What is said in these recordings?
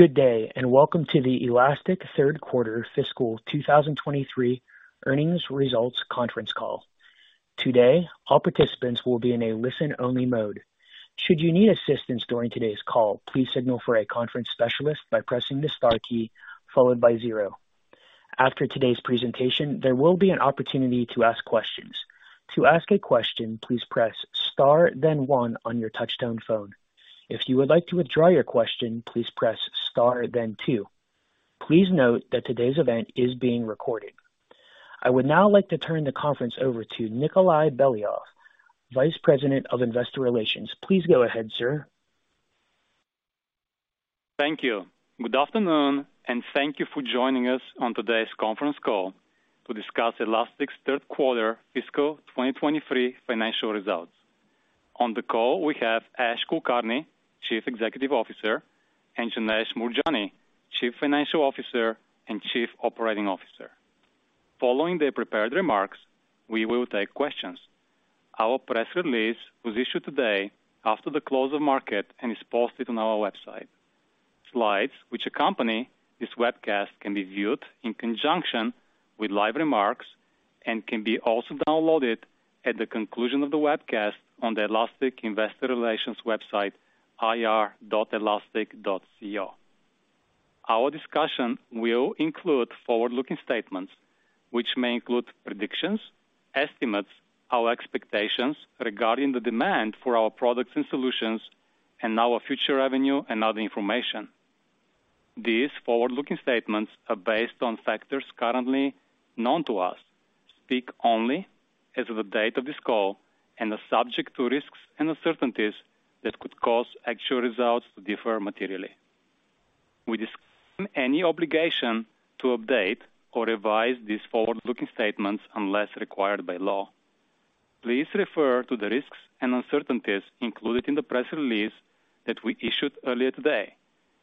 Good day, welcome to the Elastic Third Quarter Fiscal 2023 Earnings Results Conference Call. Today, all participants will be in a listen-only mode. Should you need assistance during today's call, please signal for a conference specialist by pressing the star key followed by zero. After today's presentation, there will be an opportunity to ask questions. To ask a question, please press star then one on your touchtone phone. If you would like to withdraw your question, please press star then two. Please note that today's event is being recorded. I would now like to turn the conference over to Nikolay Beliov, Vice President of Investor Relations. Please go ahead, sir. Thank you. Good afternoon, and thank you for joining us on today's conference call to discuss Elastic's third quarter fiscal 2023 financial results. On the call, we have Ash Kulkarni, Chief Executive Officer, and Janesh Moorjani, Chief Financial Officer and Chief Operating Officer. Following their prepared remarks, we will take questions. Our press release was issued today after the close of market and is posted on our website. Slides which accompany this webcast can be viewed in conjunction with live remarks and can be also downloaded at the conclusion of the webcast on the Elastic Investor Relations website ir.elastic.co. Our discussion will include forward-looking statements which may include predictions, estimates, our expectations regarding the demand for our products and solutions and our future revenue and other information. These forward-looking statements are based on factors currently known to us, speak only as of the date of this call and are subject to risks and uncertainties that could cause actual results to differ materially. We disclaim any obligation to update or revise these forward-looking statements unless required by law. Please refer to the risks and uncertainties included in the press release that we issued earlier today,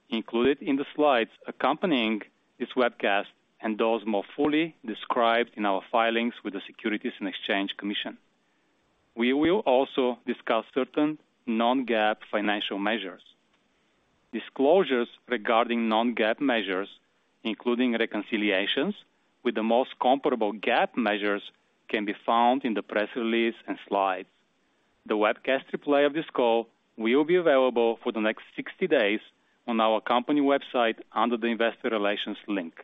included in the slides accompanying this webcast, and those more fully described in our filings with the Securities and Exchange Commission. We will also discuss certain non-GAAP financial measures. Disclosures regarding non-GAAP measures, including reconciliations with the most comparable GAAP measures can be found in the press release and slides. The webcast replay of this call will be available for the next 60 days on our company website under the Investor Relations link.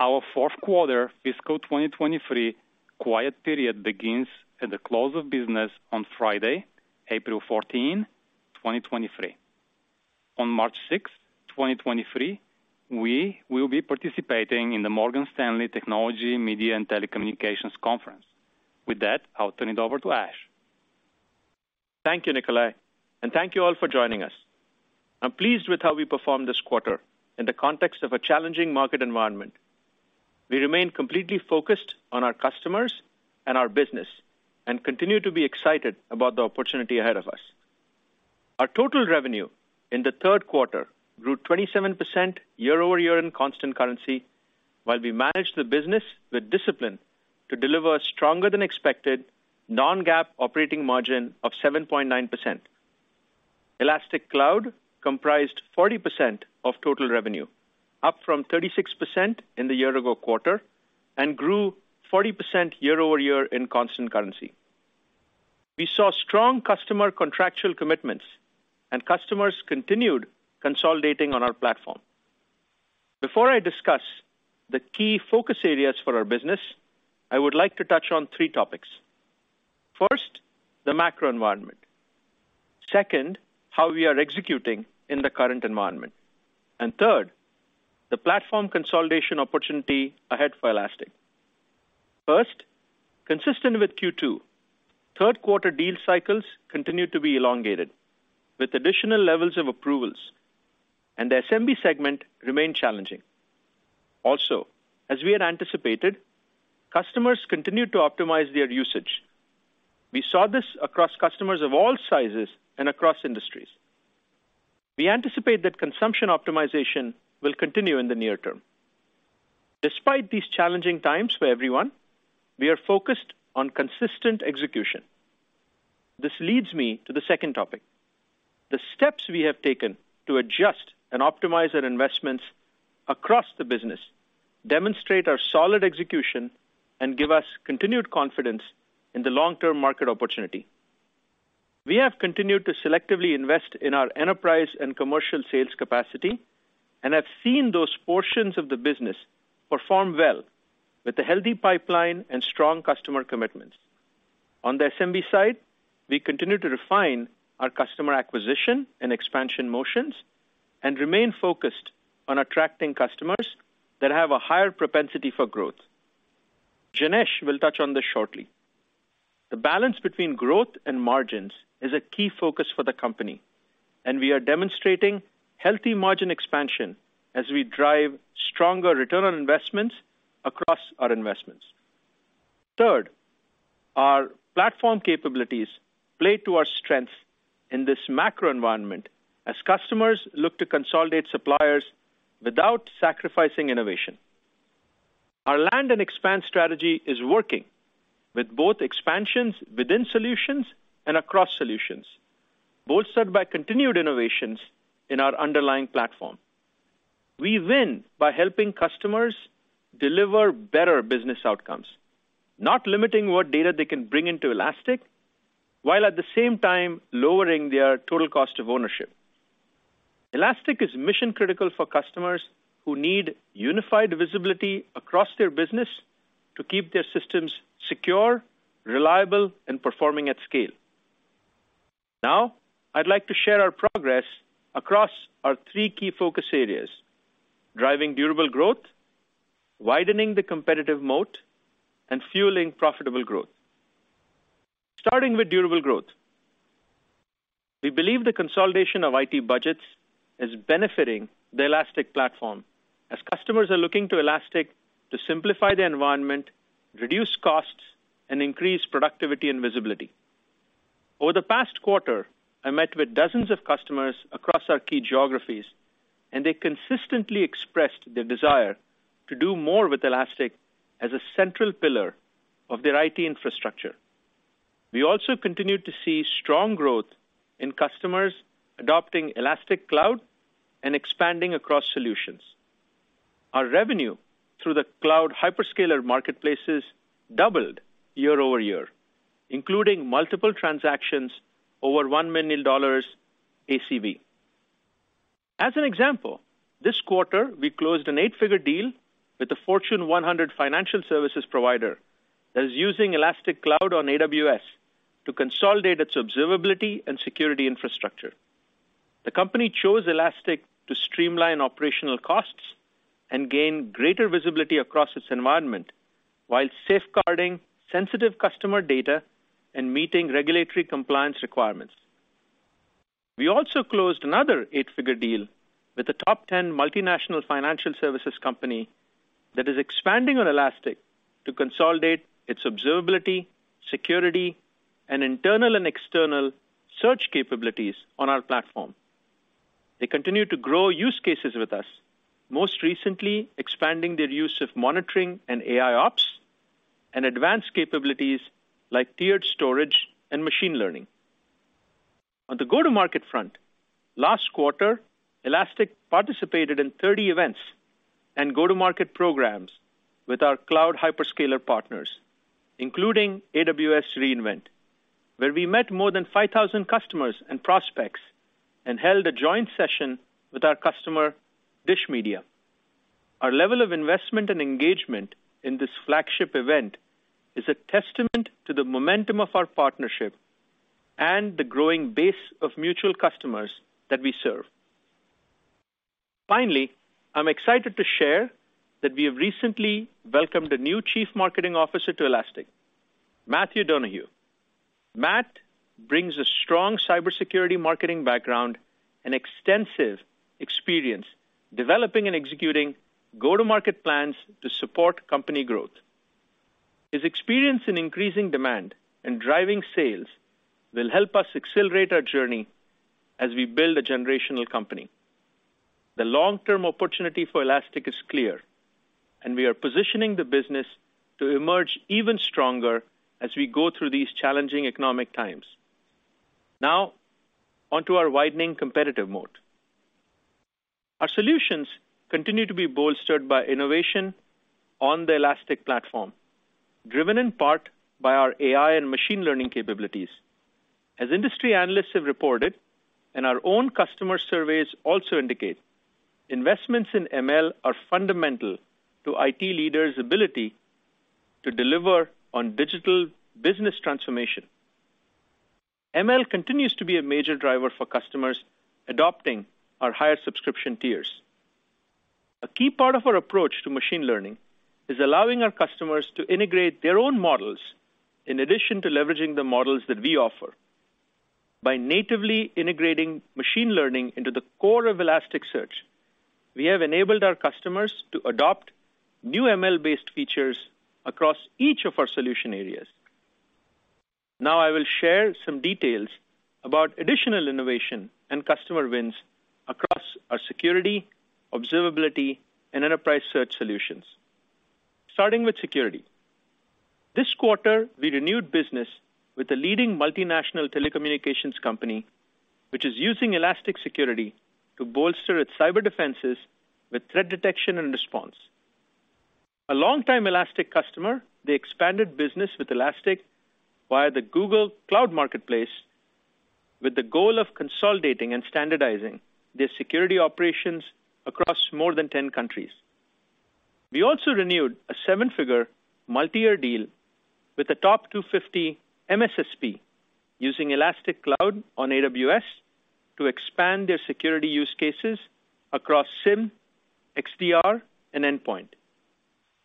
Our fourth quarter fiscal 2023 quiet period begins at the close of business on Friday, April 14, 2023. On March 6, 2023, we will be participating in the Morgan Stanley Technology, Media & Telecom Conference. With that, I'll turn it over to Ash. Thank you, Nikolay, and thank you all for joining us. I'm pleased with how we performed this quarter in the context of a challenging market environment. We remain completely focused on our customers and our business and continue to be excited about the opportunity ahead of us. Our total revenue in the third quarter grew 27% year-over-year in constant currency, while we managed the business with discipline to deliver stronger than expected non-GAAP operating margin of 7.9%. Elastic Cloud comprised 40% of total revenue, up from 36% in the year-ago quarter, and grew 40% year-over-year in constant currency. We saw strong customer contractual commitments and customers continued consolidating on our platform. Before I discuss the key focus areas for our business, I would like to touch on three topics. First, the macro environment. Second, how we are executing in the current environment. Third, the platform consolidation opportunity ahead for Elastic. First, consistent with Q2, third quarter deal cycles continued to be elongated, with additional levels of approvals, and the SMB segment remained challenging. Also, as we had anticipated, customers continued to optimize their usage. We saw this across customers of all sizes and across industries. We anticipate that consumption optimization will continue in the near term. Despite these challenging times for everyone, we are focused on consistent execution. This leads me to the second topic. The steps we have taken to adjust and optimize our investments across the business demonstrate our solid execution and give us continued confidence in the long-term market opportunity. We have continued to selectively invest in our enterprise and commercial sales capacity and have seen those portions of the business perform well with a healthy pipeline and strong customer commitments. On the SMB side, we continue to refine our customer acquisition and expansion motions and remain focused on attracting customers that have a higher propensity for growth. Janesh will touch on this shortly. The balance between growth and margins is a key focus for the company, and we are demonstrating healthy margin expansion as we drive stronger return on investments across our investments. Third, our platform capabilities play to our strength in this macro environment as customers look to consolidate suppliers without sacrificing innovation. Our land and expand strategy is working with both expansions within solutions and across solutions, bolstered by continued innovations in our underlying platform. We win by helping customers deliver better business outcomes, not limiting what data they can bring into Elastic, while at the same time lowering their total cost of ownership. Elastic is mission-critical for customers who need unified visibility across their business to keep their systems secure, reliable, and performing at scale. Now, I'd like to share our progress across our three key focus areas, driving durable growth, widening the competitive moat, and fueling profitable growth. Starting with durable growth. We believe the consolidation of IT budgets is benefiting the Elastic platform as customers are looking to Elastic to simplify their environment, reduce costs, and increase productivity and visibility. Over the past quarter, I met with dozens of customers across our key geographies, and they consistently expressed their desire to do more with Elastic as a central pillar of their IT infrastructure. We also continued to see strong growth in customers adopting Elastic Cloud and expanding across solutions. Our revenue through the cloud hyperscaler marketplaces doubled year-over-year, including multiple transactions over $1 million ACV. As an example, this quarter we closed an eight-figure deal with the Fortune 100 financial services provider that is using Elastic Cloud on AWS to consolidate its observability and security infrastructure. The company chose Elastic to streamline operational costs and gain greater visibility across its environment while safeguarding sensitive customer data and meeting regulatory compliance requirements. We also closed another eight-figure deal with the top 10 multinational financial services company that is expanding on Elastic to consolidate its observability, security, and internal and external search capabilities on our platform. They continue to grow use cases with us, most recently expanding their use of monitoring and AIOps and advanced capabilities like tiered storage and machine learning. On the go-to-market front, last quarter, Elastic participated in 30 events and go-to-market programs with our cloud hyperscaler partners, including AWS re:Invent, where we met more than 5,000 customers and prospects and held a joint session with our customer, DISH Media. Finally, I'm excited to share that we have recently welcomed a new Chief Marketing Officer to Elastic, Mathew Donoghue. Matt brings a strong cybersecurity marketing background and extensive experience developing and executing go-to-market plans to support company growth. His experience in increasing demand and driving sales will help us accelerate our journey as we build a generational company. The long-term opportunity for Elastic is clear, and we are positioning the business to emerge even stronger as we go through these challenging economic times. On to our widening competitive moat. Our solutions continue to be bolstered by innovation on the Elastic platform, driven in part by our AI and machine learning capabilities. As industry analysts have reported, and our own customer surveys also indicate, investments in ML are fundamental to IT leaders' ability to deliver on digital business transformation. ML continues to be a major driver for customers adopting our higher subscription tiers. A key part of our approach to machine learning is allowing our customers to integrate their own models in addition to leveraging the models that we offer. By natively integrating machine learning into the core of Elasticsearch, we have enabled our customers to adopt new ML-based features across each of our solution areas. Now I will share some details about additional innovation and customer wins across our security, observability, and enterprise search solutions. Starting with security. This quarter, we renewed business with the leading multinational telecommunications company, which is using Elastic Security to bolster its cyber defenses with threat detection and response. A long-time Elastic customer, they expanded business with Elastic via the Google Cloud Marketplace with the goal of consolidating and standardizing their security operations across more than 10 countries. We also renewed a $7-figure multi-year deal with the top 250 MSSP using Elastic Cloud on AWS to expand their security use cases across SIEM, XDR, and endpoint.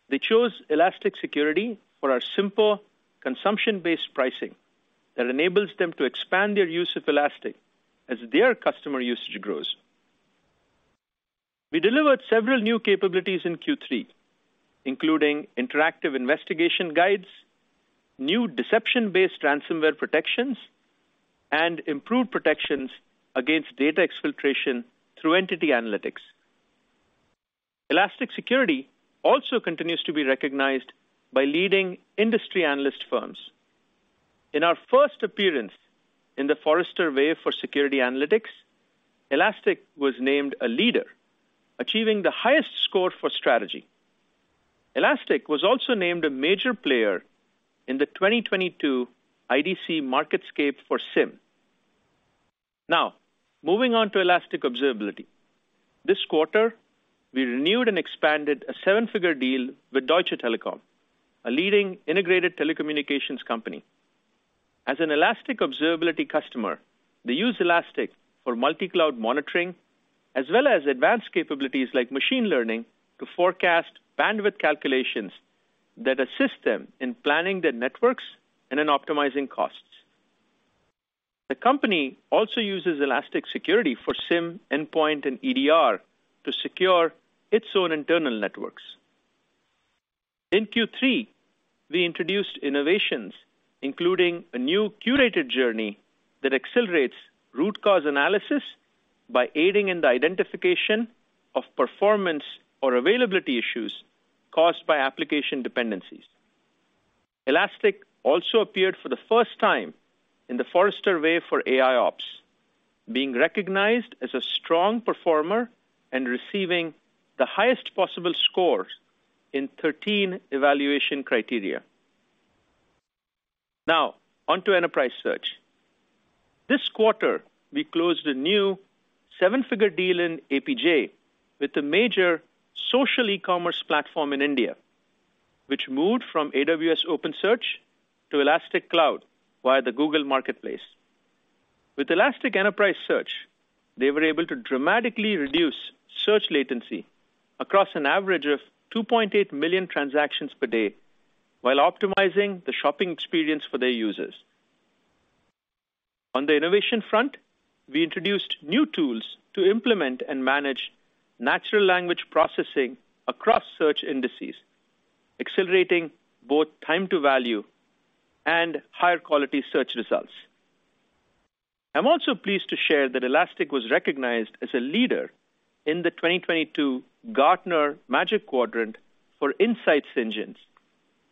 They chose Elastic Security for our simple consumption-based pricing that enables them to expand their use of Elastic as their customer usage grows. We delivered several new capabilities in Q3, including interactive investigation guides, new deception-based ransomware protections, and improved protections against data exfiltration through entity analytics. Elastic Security also continues to be recognized by leading industry analyst firms. In our first appearance in the Forrester Wave for Security Analytics, Elastic was named a leader, achieving the highest score for strategy. Elastic was also named a major player in the 2022 IDC MarketScape for SIEM. Moving on to Elastic Observability. This quarter, we renewed and expanded a seven-figure deal with Deutsche Telekom, a leading integrated telecommunications company. As an Elastic Observability customer, they use Elastic for multi-cloud monitoring, as well as advanced capabilities like machine learning to forecast bandwidth calculations that assist them in planning their networks and in optimizing costs. The company also uses Elastic Security for SIEM, endpoint, and EDR to secure its own internal networks. In Q3, we introduced innovations, including a new curated journey that accelerates root cause analysis by aiding in the identification of performance or availability issues caused by application dependencies. Elastic also appeared for the first time in the Forrester Wave for AIOps, being recognized as a strong performer and receiving the highest possible scores in 13 evaluation criteria. On to Enterprise Search. This quarter, we closed a new seven-figure deal in APJ with a major social e-commerce platform in India, which moved from AWS OpenSearch to Elastic Cloud via the Google Marketplace. With Elastic Enterprise Search, they were able to dramatically reduce search latency across an average of 2.8 million transactions per day while optimizing the shopping experience for their users. On the innovation front, we introduced new tools to implement and manage natural language processing across search indices, accelerating both time to value and higher quality search results. I'm also pleased to share that Elastic was recognized as a leader in the 2022 Gartner Magic Quadrant for Insights Engines,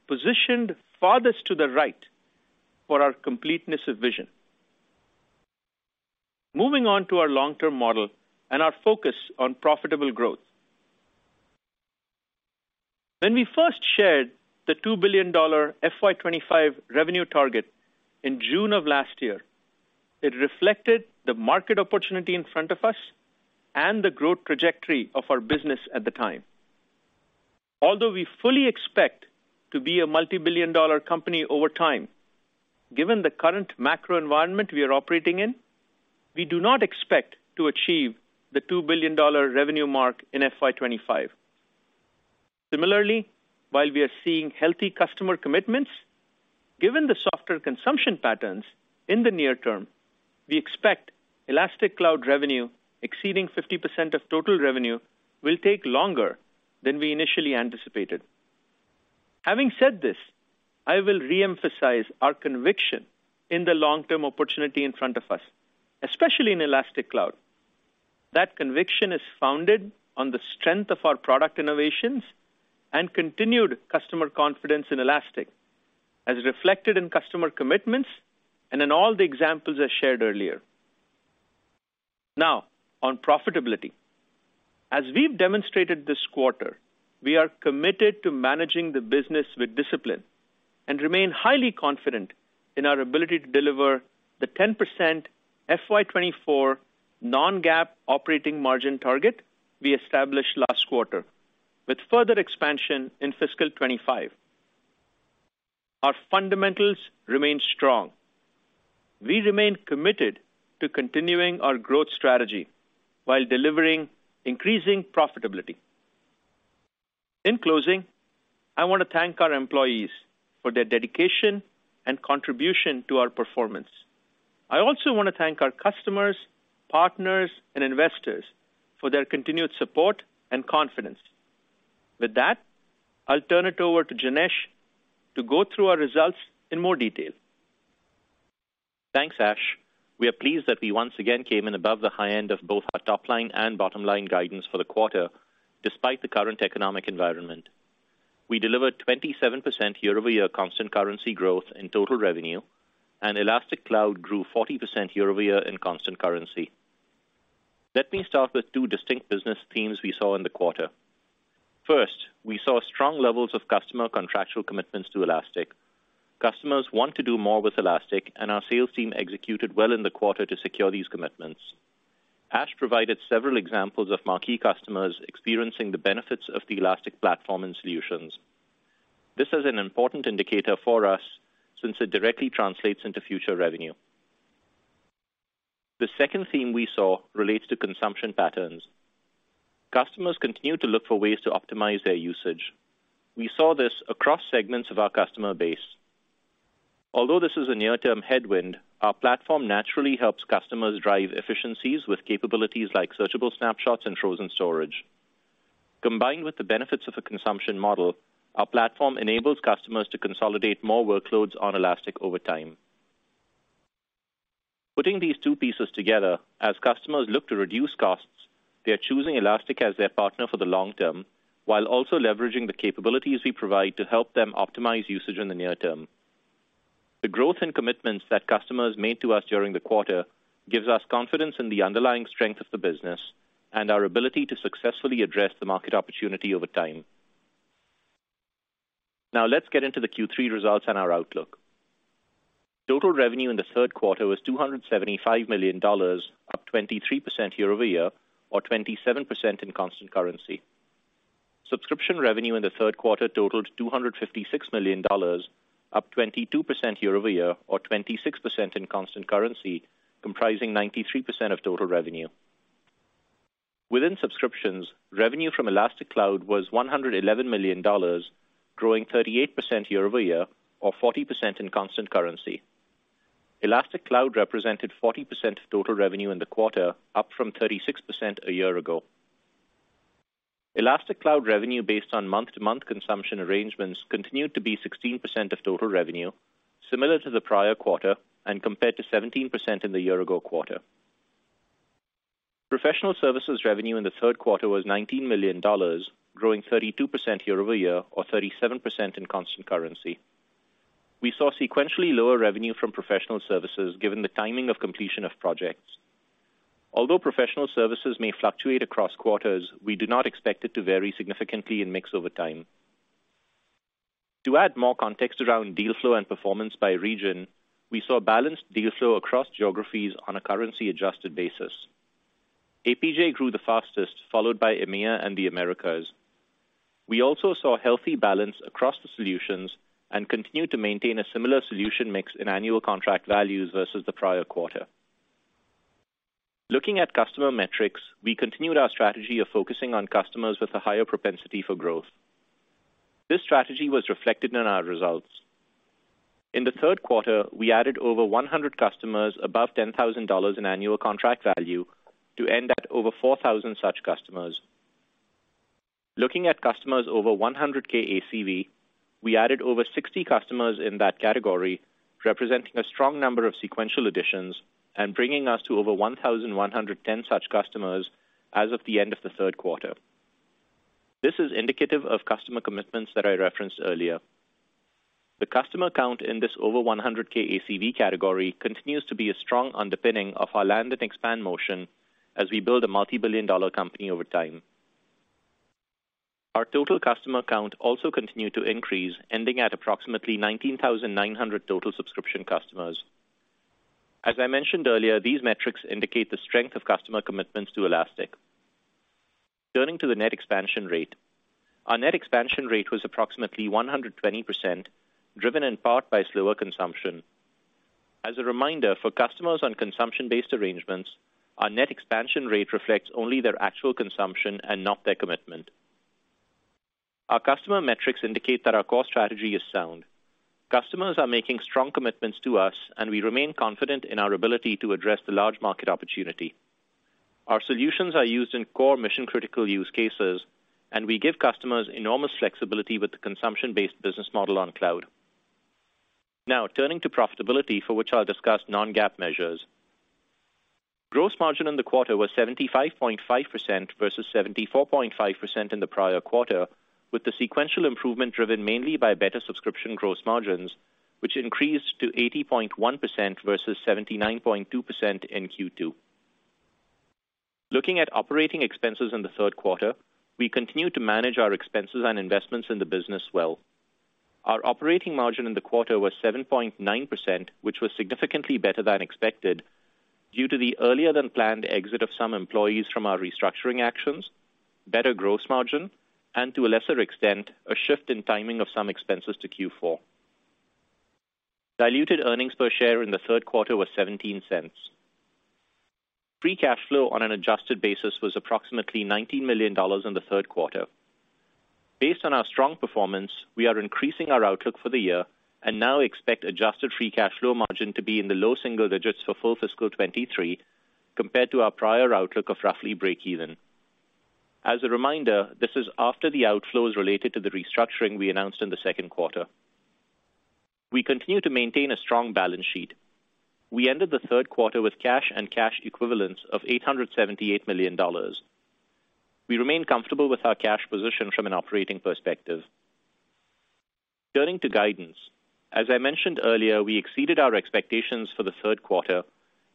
positioned farthest to the right for our completeness of vision. Moving on to our long-term model and our focus on profitable growth. When we first shared the $2 billion FY 2025 revenue target in June of last year, it reflected the market opportunity in front of us and the growth trajectory of our business at the time. Although we fully expect to be a multi-billion dollar company over time, given the current macro environment we are operating in, we do not expect to achieve the $2 billion revenue mark in FY 2025. Similarly, while we are seeing healthy customer commitments, given the softer consumption patterns in the near term, we expect Elastic Cloud revenue exceeding 50% of total revenue will take longer than we initially anticipated. Having said this, I will reemphasize our conviction in the long-term opportunity in front of us, especially in Elastic Cloud. That conviction is founded on the strength of our product innovations and continued customer confidence in Elastic, as reflected in customer commitments and in all the examples I shared earlier. Now on profitability. As we've demonstrated this quarter, we are committed to managing the business with discipline and remain highly confident in our ability to deliver the 10% FY 2024 non-GAAP operating margin target we established last quarter with further expansion in fiscal 2025. Our fundamentals remain strong. We remain committed to continuing our growth strategy while delivering increasing profitability. In closing, I want to thank our employees for their dedication and contribution to our performance. I also want to thank our customers, partners, and investors for their continued support and confidence. With that, I'll turn it over to Janesh to go through our results in more detail. Thanks, Ash. We are pleased that we once again came in above the high end of both our top line and bottom line guidance for the quarter, despite the current economic environment. We delivered 27% year-over-year constant currency growth in total revenue, and Elastic Cloud grew 40% year-over-year in constant currency. Let me start with two distinct business themes we saw in the quarter. First, we saw strong levels of customer contractual commitments to Elastic. Customers want to do more with Elastic, and our sales team executed well in the quarter to secure these commitments. Ash provided several examples of marquee customers experiencing the benefits of the Elastic platform and solutions. This is an important indicator for us since it directly translates into future revenue. The second theme we saw relates to consumption patterns. Customers continue to look for ways to optimize their usage. We saw this across segments of our customer base. Although this is a near-term headwind, our platform naturally helps customers drive efficiencies with capabilities like searchable snapshots and frozen storage. Combined with the benefits of a consumption model, our platform enables customers to consolidate more workloads on Elastic over time. Putting these two pieces together, as customers look to reduce costs, they are choosing Elastic as their partner for the long term, while also leveraging the capabilities we provide to help them optimize usage in the near term. The growth and commitments that customers made to us during the quarter gives us confidence in the underlying strength of the business and our ability to successfully address the market opportunity over time. Let's get into the Q3 results and our outlook. Total revenue in the third quarter was $275 million, up 23% year-over-year or 27% in constant currency. Subscription revenue in the third quarter totaled $256 million, up 22% year-over-year or 26% in constant currency, comprising 93% of total revenue. Within subscriptions, revenue from Elastic Cloud was $111 million, growing 38% year-over-year or 40% in constant currency. Elastic Cloud represented 40% of total revenue in the quarter, up from 36% a year ago. Elastic Cloud revenue based on month-to-month consumption arrangements continued to be 16% of total revenue, similar to the prior quarter and compared to 17% in the year ago quarter. Professional services revenue in the third quarter was $19 million, growing 32% year-over-year or 37% in constant currency. We saw sequentially lower revenue from professional services given the timing of completion of projects. Although professional services may fluctuate across quarters, we do not expect it to vary significantly in mix over time. To add more context around deal flow and performance by region, we saw balanced deal flow across geographies on a currency adjusted basis. APJ grew the fastest, followed by EMEA and the Americas. We also saw healthy balance across the solutions and continued to maintain a similar solution mix in annual contract values versus the prior quarter. Looking at customer metrics, we continued our strategy of focusing on customers with a higher propensity for growth. This strategy was reflected in our results. In the third quarter, we added over 100 customers above $10,000 in annual contract value to end at over 4,000 such customers. Looking at customers over $100,000 ACV, we added over 60 customers in that category, representing a strong number of sequential additions and bringing us to over 1,110 such customers as of the end of the third quarter. This is indicative of customer commitments that I referenced earlier. The customer count in this over $100,000 ACV category continues to be a strong underpinning of our land and expand motion as we build a multi-billion dollar company over time. Our total customer count also continued to increase, ending at approximately 19,900 total subscription customers. As I mentioned earlier, these metrics indicate the strength of customer commitments to Elastic. Turning to the Net Expansion Rate. Our Net Expansion Rate was approximately 120%, driven in part by slower consumption. As a reminder, for customers on consumption-based arrangements, our Net Expansion Rate reflects only their actual consumption and not their commitment. Our customer metrics indicate that our core strategy is sound. Customers are making strong commitments to us, and we remain confident in our ability to address the large market opportunity. Our solutions are used in core mission-critical use cases, and we give customers enormous flexibility with the consumption-based business model on cloud. Now, turning to profitability, for which I'll discuss non-GAAP measures. Gross margin in the quarter was 75.5% versus 74.5% in the prior quarter, with the sequential improvement driven mainly by better subscription gross margins, which increased to 80.1% versus 79.2% in Q2. Looking at operating expenses in the third quarter, we continue to manage our expenses and investments in the business well. Our operating margin in the quarter was 7.9%, which was significantly better than expected due to the earlier than planned exit of some employees from our restructuring actions, better gross margin, and to a lesser extent, a shift in timing of some expenses to Q4. Diluted earnings per share in the third quarter were $0.17. Free cash flow on an adjusted basis was approximately $19 million in the third quarter. Based on our strong performance, we are increasing our outlook for the year and now expect adjusted free cash flow margin to be in the low single digits for full fiscal 2023 compared to our prior outlook of roughly breakeven. As a reminder, this is after the outflows related to the restructuring we announced in the second quarter. We continue to maintain a strong balance sheet. We ended the third quarter with cash and cash equivalents of $878 million. We remain comfortable with our cash position from an operating perspective. Turning to guidance. As I mentioned earlier, we exceeded our expectations for the third quarter,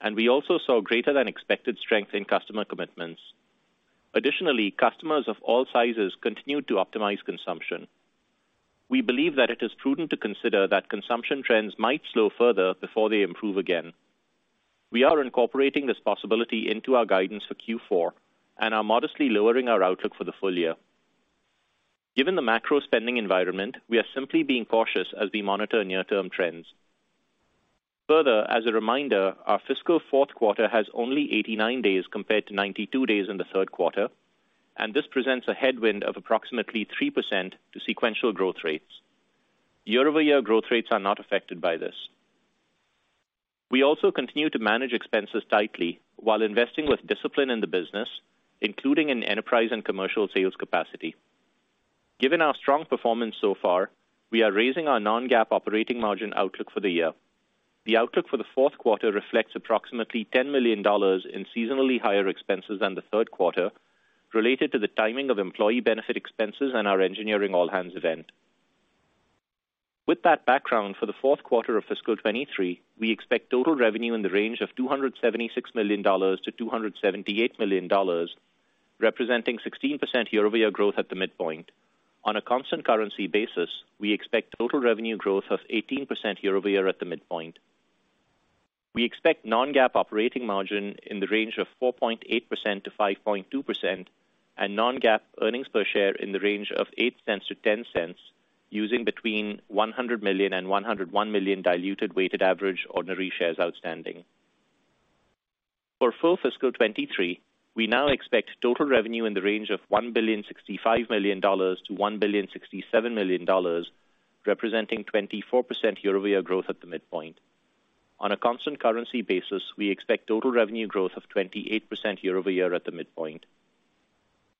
and we also saw greater than expected strength in customer commitments. Additionally, customers of all sizes continued to optimize consumption. We believe that it is prudent to consider that consumption trends might slow further before they improve again. We are incorporating this possibility into our guidance for Q4 and are modestly lowering our outlook for the full year. Given the macro spending environment, we are simply being cautious as we monitor near-term trends. As a reminder, our fiscal fourth quarter has only 89 days compared to 92 days in the third quarter, and this presents a headwind of approximately 3% to sequential growth rates. Year-over-year growth rates are not affected by this. We also continue to manage expenses tightly while investing with discipline in the business, including in enterprise and commercial sales capacity. Given our strong performance so far, we are raising our non-GAAP operating margin outlook for the year. The outlook for the fourth quarter reflects approximately $10 million in seasonally higher expenses than the third quarter related to the timing of employee benefit expenses and our engineering all hands event. With that background, for the fourth quarter of fiscal 2023, we expect total revenue in the range of $276 million-$278 million, representing 16% year-over-year growth at the midpoint. On a constant currency basis, we expect total revenue growth of 18% year-over-year at the midpoint. We expect non-GAAP operating margin in the range of 4.8%-5.2% and non-GAAP earnings per share in the range of $0.08-$0.10, using between 100 million and 101 million diluted weighted average ordinary shares outstanding. For full fiscal 2023, we now expect total revenue in the range of $1.065 billion-$1.067 billion, representing 24% year-over-year growth at the midpoint. On a constant currency basis, we expect total revenue growth of 28% year-over-year at the midpoint.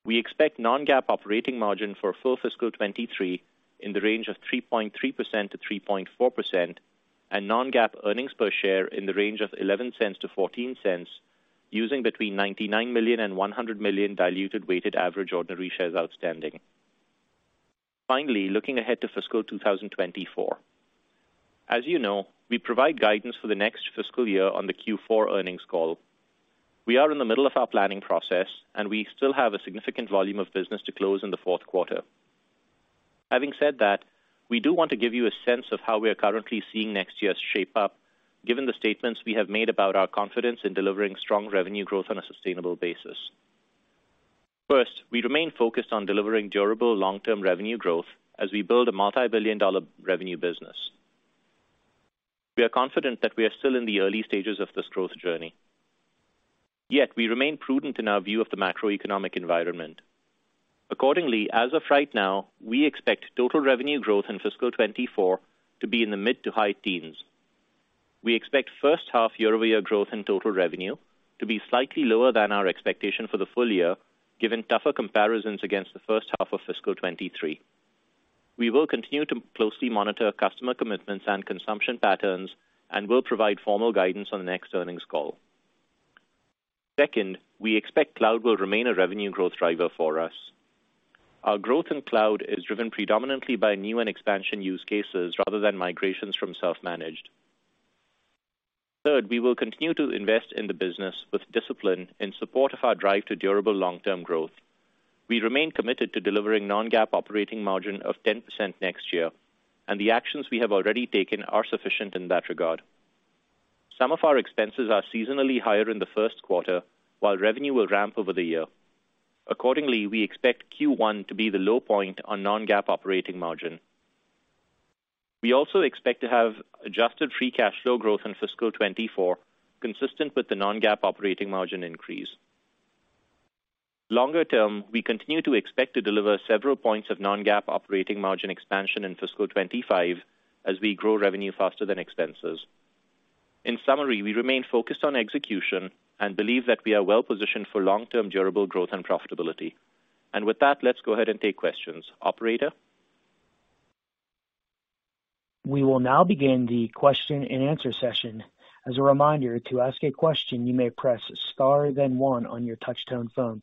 We expect non-GAAP operating margin for full fiscal 2023 in the range of 3.3%-3.4% and non-GAAP earnings per share in the range of $0.11-$0.14, using between 99 million and 100 million diluted weighted average ordinary shares outstanding. Looking ahead to fiscal 2024. As you know, we provide guidance for the next fiscal year on the Q4 earnings call. We are in the middle of our planning process, and we still have a significant volume of business to close in the fourth quarter. Having said that, we do want to give you a sense of how we are currently seeing next year shape up, given the statements we have made about our confidence in delivering strong revenue growth on a sustainable basis. We remain focused on delivering durable long-term revenue growth as we build a multi-billion dollar revenue business. We are confident that we are still in the early stages of this growth journey, yet we remain prudent in our view of the macroeconomic environment. As of right now, we expect total revenue growth in fiscal 2024 to be in the mid-to-high teens. We expect first half year-over-year growth in total revenue to be slightly lower than our expectation for the full year, given tougher comparisons against the first half of fiscal 2023. We will continue to closely monitor customer commitments and consumption patterns and will provide formal guidance on the next earnings call. Second, we expect cloud will remain a revenue growth driver for us. Our growth in cloud is driven predominantly by new and expansion use cases rather than migrations from self-managed. Third, we will continue to invest in the business with discipline in support of our drive to durable long-term growth. We remain committed to delivering non-GAAP operating margin of 10% next year, and the actions we have already taken are sufficient in that regard. Some of our expenses are seasonally higher in the first quarter, while revenue will ramp over the year. Accordingly, we expect Q1 to be the low point on non-GAAP operating margin. We also expect to have adjusted free cash flow growth in fiscal 2024, consistent with the non-GAAP operating margin increase. Longer term, we continue to expect to deliver several points of non-GAAP operating margin expansion in fiscal 2025 as we grow revenue faster than expenses. In summary, we remain focused on execution and believe that we are well positioned for long-term durable growth and profitability. With that, let's go ahead and take questions. Operator? We will now begin the question-and-answer session. As a reminder, to ask a question, you may press star then one on your touch-tone phone.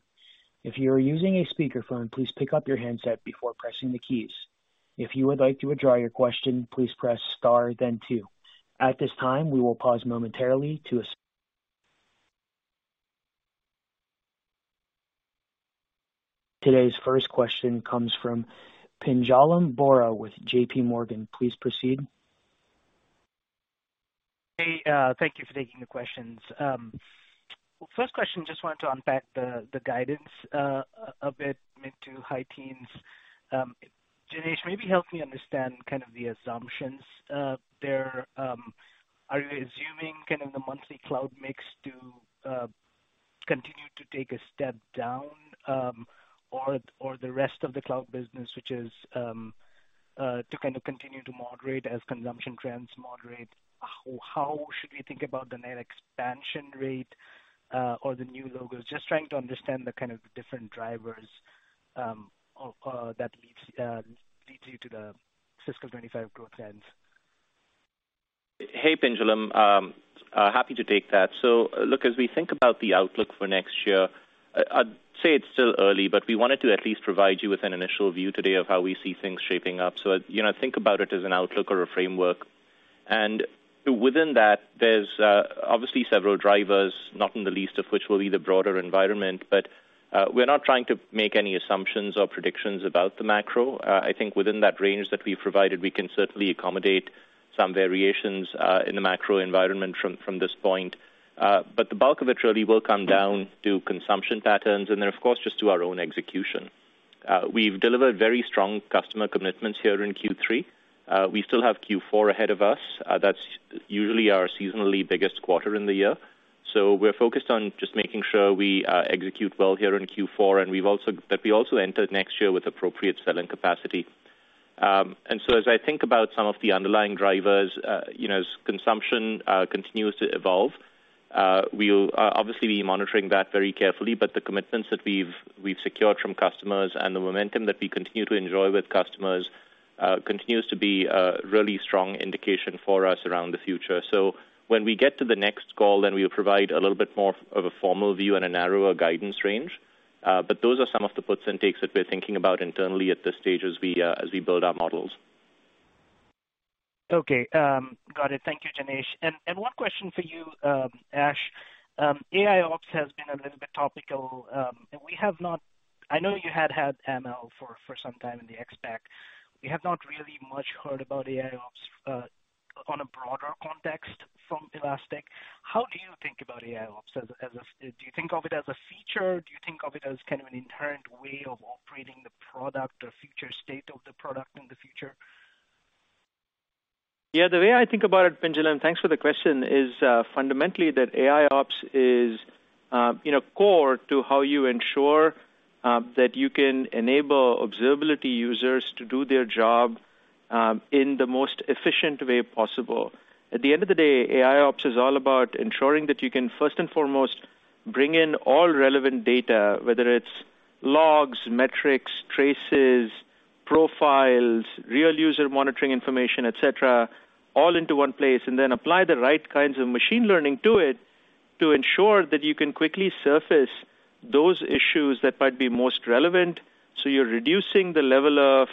If you are using a speakerphone, please pick up your handset before pressing the keys. If you would like to withdraw your question, please press star then two. At this time, we will pause momentarily. Today's first question comes from Pinjalim Bora with JPMorgan. Please proceed. Hey, thank you for taking the questions. First question, just wanted to unpack the guidance a bit mid to high teens. Janesh, maybe help me understand kind of the assumptions there. Are you assuming kind of the monthly cloud mix to continue to take a step down, or the rest of the cloud business, which is to kind of continue to moderate as consumption trends moderate? How should we think about the Net Expansion Rate or the new logos? Just trying to understand the kind of different drivers that leads you to the fiscal 2025 growth plans. Hey, Pinjalim, happy to take that. Look, as we think about the outlook for next year, I'd say it's still early, but we wanted to at least provide you with an initial view today of how we see things shaping up. You know, think about it as an outlook or a framework. Within that, there's obviously several drivers, not in the least of which will be the broader environment. We're not trying to make any assumptions or predictions about the macro. I think within that range that we've provided, we can certainly accommodate some variations in the macro environment from this point. The bulk of it really will come down to consumption patterns and then of course just to our own execution. We've delivered very strong customer commitments here in Q3. We still have Q4 ahead of us. That's usually our seasonally biggest quarter in the year. We're focused on just making sure we execute well here in Q4. We also enter next year with appropriate selling capacity. As I think about some of the underlying drivers, you know, as consumption continues to evolve, we'll obviously be monitoring that very carefully. The commitments that we've secured from customers and the momentum that we continue to enjoy with customers, continues to be a really strong indication for us around the future. When we get to the next call, then we'll provide a little bit more of a formal view and a narrower guidance range. Those are some of the puts and takes that we're thinking about internally at this stage as we as we build our models. Okay, got it. Thank you, Janesh. One question for you, Ash. AIOps has been a little bit topical. I know you had had ML for some time in the X-Pack. We have not really much heard about AIOps on a broader context from Elastic. How do you think about AIOps? Do you think of it as a feature? Do you think of it as kind of an inherent way of operating the product or future state of the product in the future? Yeah, the way I think about it, Pinjalim, thanks for the question, is fundamentally that AIOps is, you know, core to how you ensure that you can enable observability users to do their job in the most efficient way possible. At the end of the day, AIOps is all about ensuring that you can first and foremost bring in all relevant data, whether it's logs, metrics, traces, profiles, real user monitoring information, et cetera, all into one place, and then apply the right kinds of machine learning to it to ensure that you can quickly surface those issues that might be most relevant. You're reducing the level of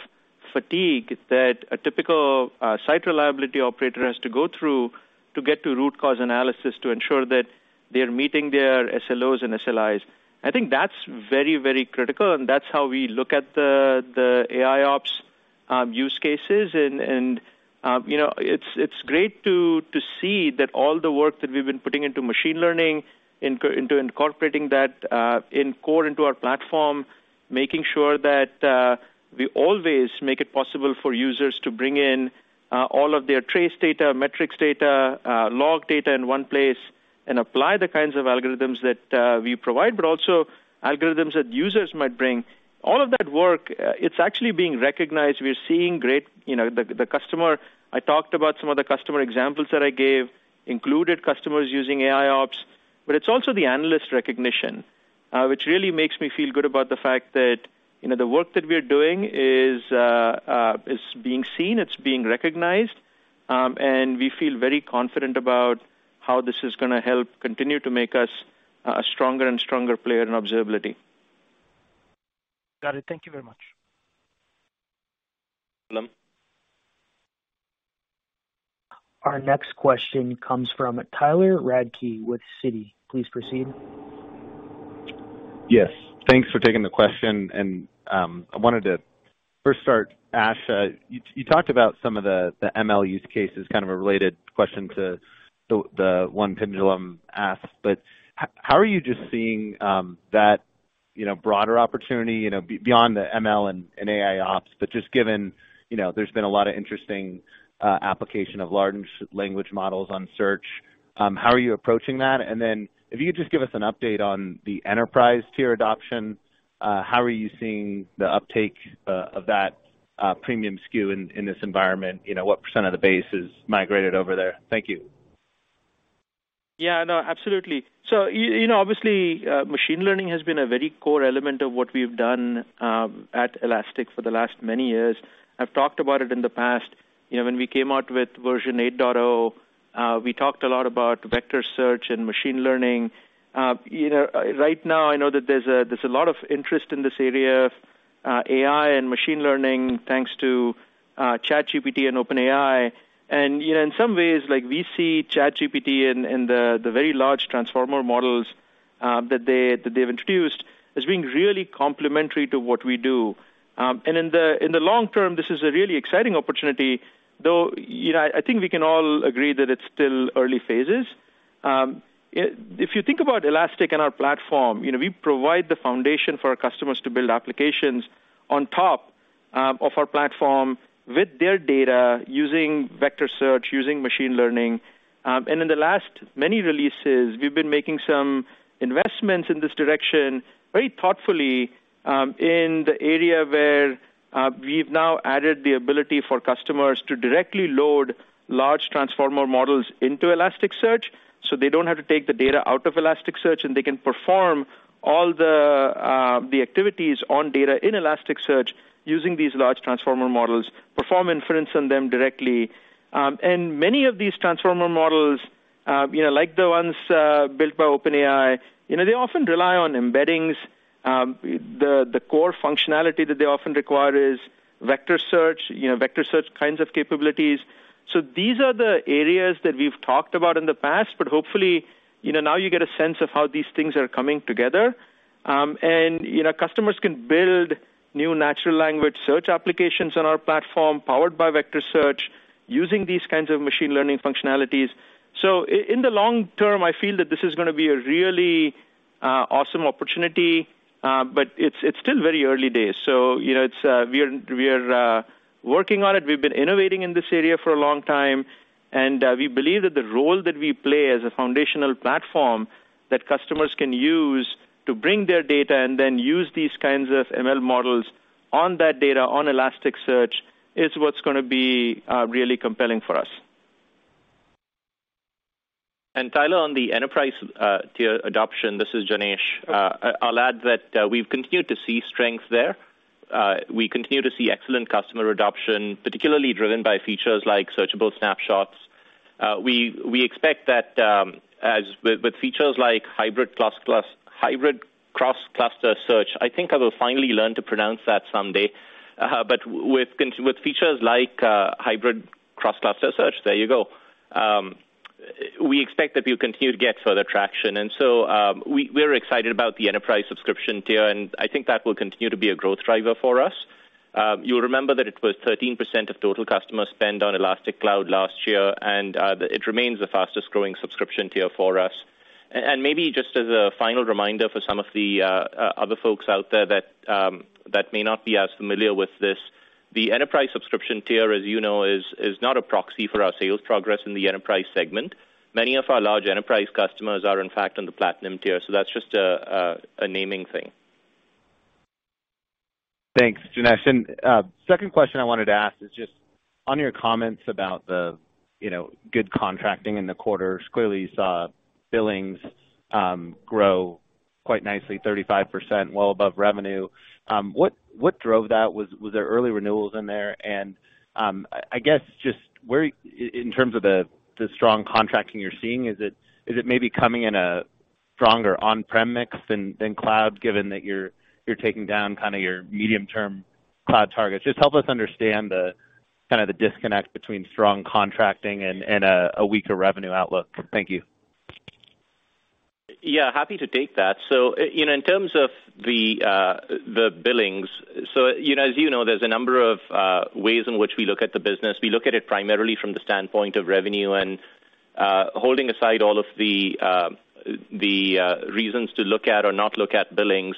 fatigue that a typical site reliability operator has to go through to get to root cause analysis to ensure that they are meeting their SLOs and SLIs. I think that's very, very critical, and that's how we look at the AIOps use cases. You know, it's great to see that all the work that we've been putting into machine learning, into incorporating that in core into our platform, making sure that we always make it possible for users to bring in all of their trace data, metrics data, log data in one place and apply the kinds of algorithms that we provide, but also algorithms that users might bring. All of that work, it's actually being recognized. We're seeing great... You know, the customer I talked about some of the customer examples that I gave included customers using AIOps. It's also the analyst recognition, which really makes me feel good about the fact that, you know, the work that we're doing is being seen, it's being recognized. We feel very confident about how this is going to help continue to make us a stronger and stronger player in observability. Got it. Thank you very much. Pinjalim. Our next question comes from Tyler Radke with Citi. Please proceed. Yes. Thanks for taking the question. I wanted to first start, Ash, you talked about some of the ML use cases, kind of a related question to the one Pinjalim asked, but how are you just seeing, you know, that, you know, broader opportunity, you know, beyond the ML and AIOps, but just given, you know, there's been a lot of interesting application of large language models on search, how are you approaching that? Then if you could just give us an update on the Enterprise tier adoption, how are you seeing the uptake of that premium SKU in this environment? You know, what percent of the base is migrated over there? Thank you. Yeah, no, absolutely. You know, obviously, machine learning has been a very core element of what we've done, at Elastic for the last many years. I've talked about it in the past. You know, when we came out with version 8.0, we talked a lot about vector search and machine learning. You know, right now I know that there's a lot of interest in this area, AI and machine learning, thanks to ChatGPT and OpenAI. You know, in some ways, like we see ChatGPT and the very large transformer models, that they've introduced as being really complementary to what we do. In the long term, this is a really exciting opportunity, though, you know, I think we can all agree that it's still early phases. If you think about Elastic and our platform, you know, we provide the foundation for our customers to build applications on top of our platform with their data using vector search, using machine learning. In the last many releases, we've been making some investments in this direction very thoughtfully in the area where we've now added the ability for customers to directly load large transformer models into Elasticsearch, so they don't have to take the data out of Elasticsearch, and they can perform all the activities on data in Elasticsearch using these large transformer models, perform inference on them directly. Many of these transformer models, you know, like the ones built by OpenAI, you know, they often rely on embeddings. The core functionality that they often require is vector search, you know, vector search kinds of capabilities. These are the areas that we've talked about in the past, but hopefully, you know, now you get a sense of how these things are coming together. You know, customers can build new natural language search applications on our platform powered by vector search using these kinds of machine learning functionalities. In the long term, I feel that this is going to be a really awesome opportunity, but it's still very early days. You know, it's... We're working on it. We've been innovating in this area for a long time, and we believe that the role that we play as a foundational platform that customers can use to bring their data and then use these kinds of ML models on that data on Elasticsearch is what's going to be really compelling for us. Tyler, on the Enterprise tier adoption, this is Janesh. I'll add that we've continued to see strength there. We continue to see excellent customer adoption, particularly driven by features like searchable snapshots. We expect that as with features like hybrid cross-cluster search, I think I will finally learn to pronounce that someday. With features like hybrid cross-cluster search, there you go, we expect that we'll continue to get further traction. So we're excited about the Enterprise subscription tier, and I think that will continue to be a growth driver for us. You'll remember that it was 13% of total customer spend on Elastic Cloud last year, and it remains the fastest growing subscription tier for us. Maybe just as a final reminder for some of the other folks out there that may not be as familiar with this, the Enterprise subscription tier, as you know, is not a proxy for our sales progress in the enterprise segment. Many of our large enterprise customers are, in fact, on the Platinum tier, that's just a naming thing. Thanks, Janesh. Second question I wanted to ask is just on your comments about the, you know, good contracting in the quarter. Clearly you saw billings grow quite nicely, 35% well above revenue. What drove that? Was there early renewals in there? I guess, just where in terms of the strong contracting you're seeing, is it maybe coming in a stronger on-prem mix than cloud, given that you're taking down kinda your medium-term cloud targets? Just help us understand the kind of the disconnect between strong contracting and a weaker revenue outlook. Thank you. Yeah, happy to take that. You know, in terms of the billings, so, you know, as you know, there's a number of ways in which we look at the business. We look at it primarily from the standpoint of revenue and, holding aside all of the reasons to look at or not look at billings.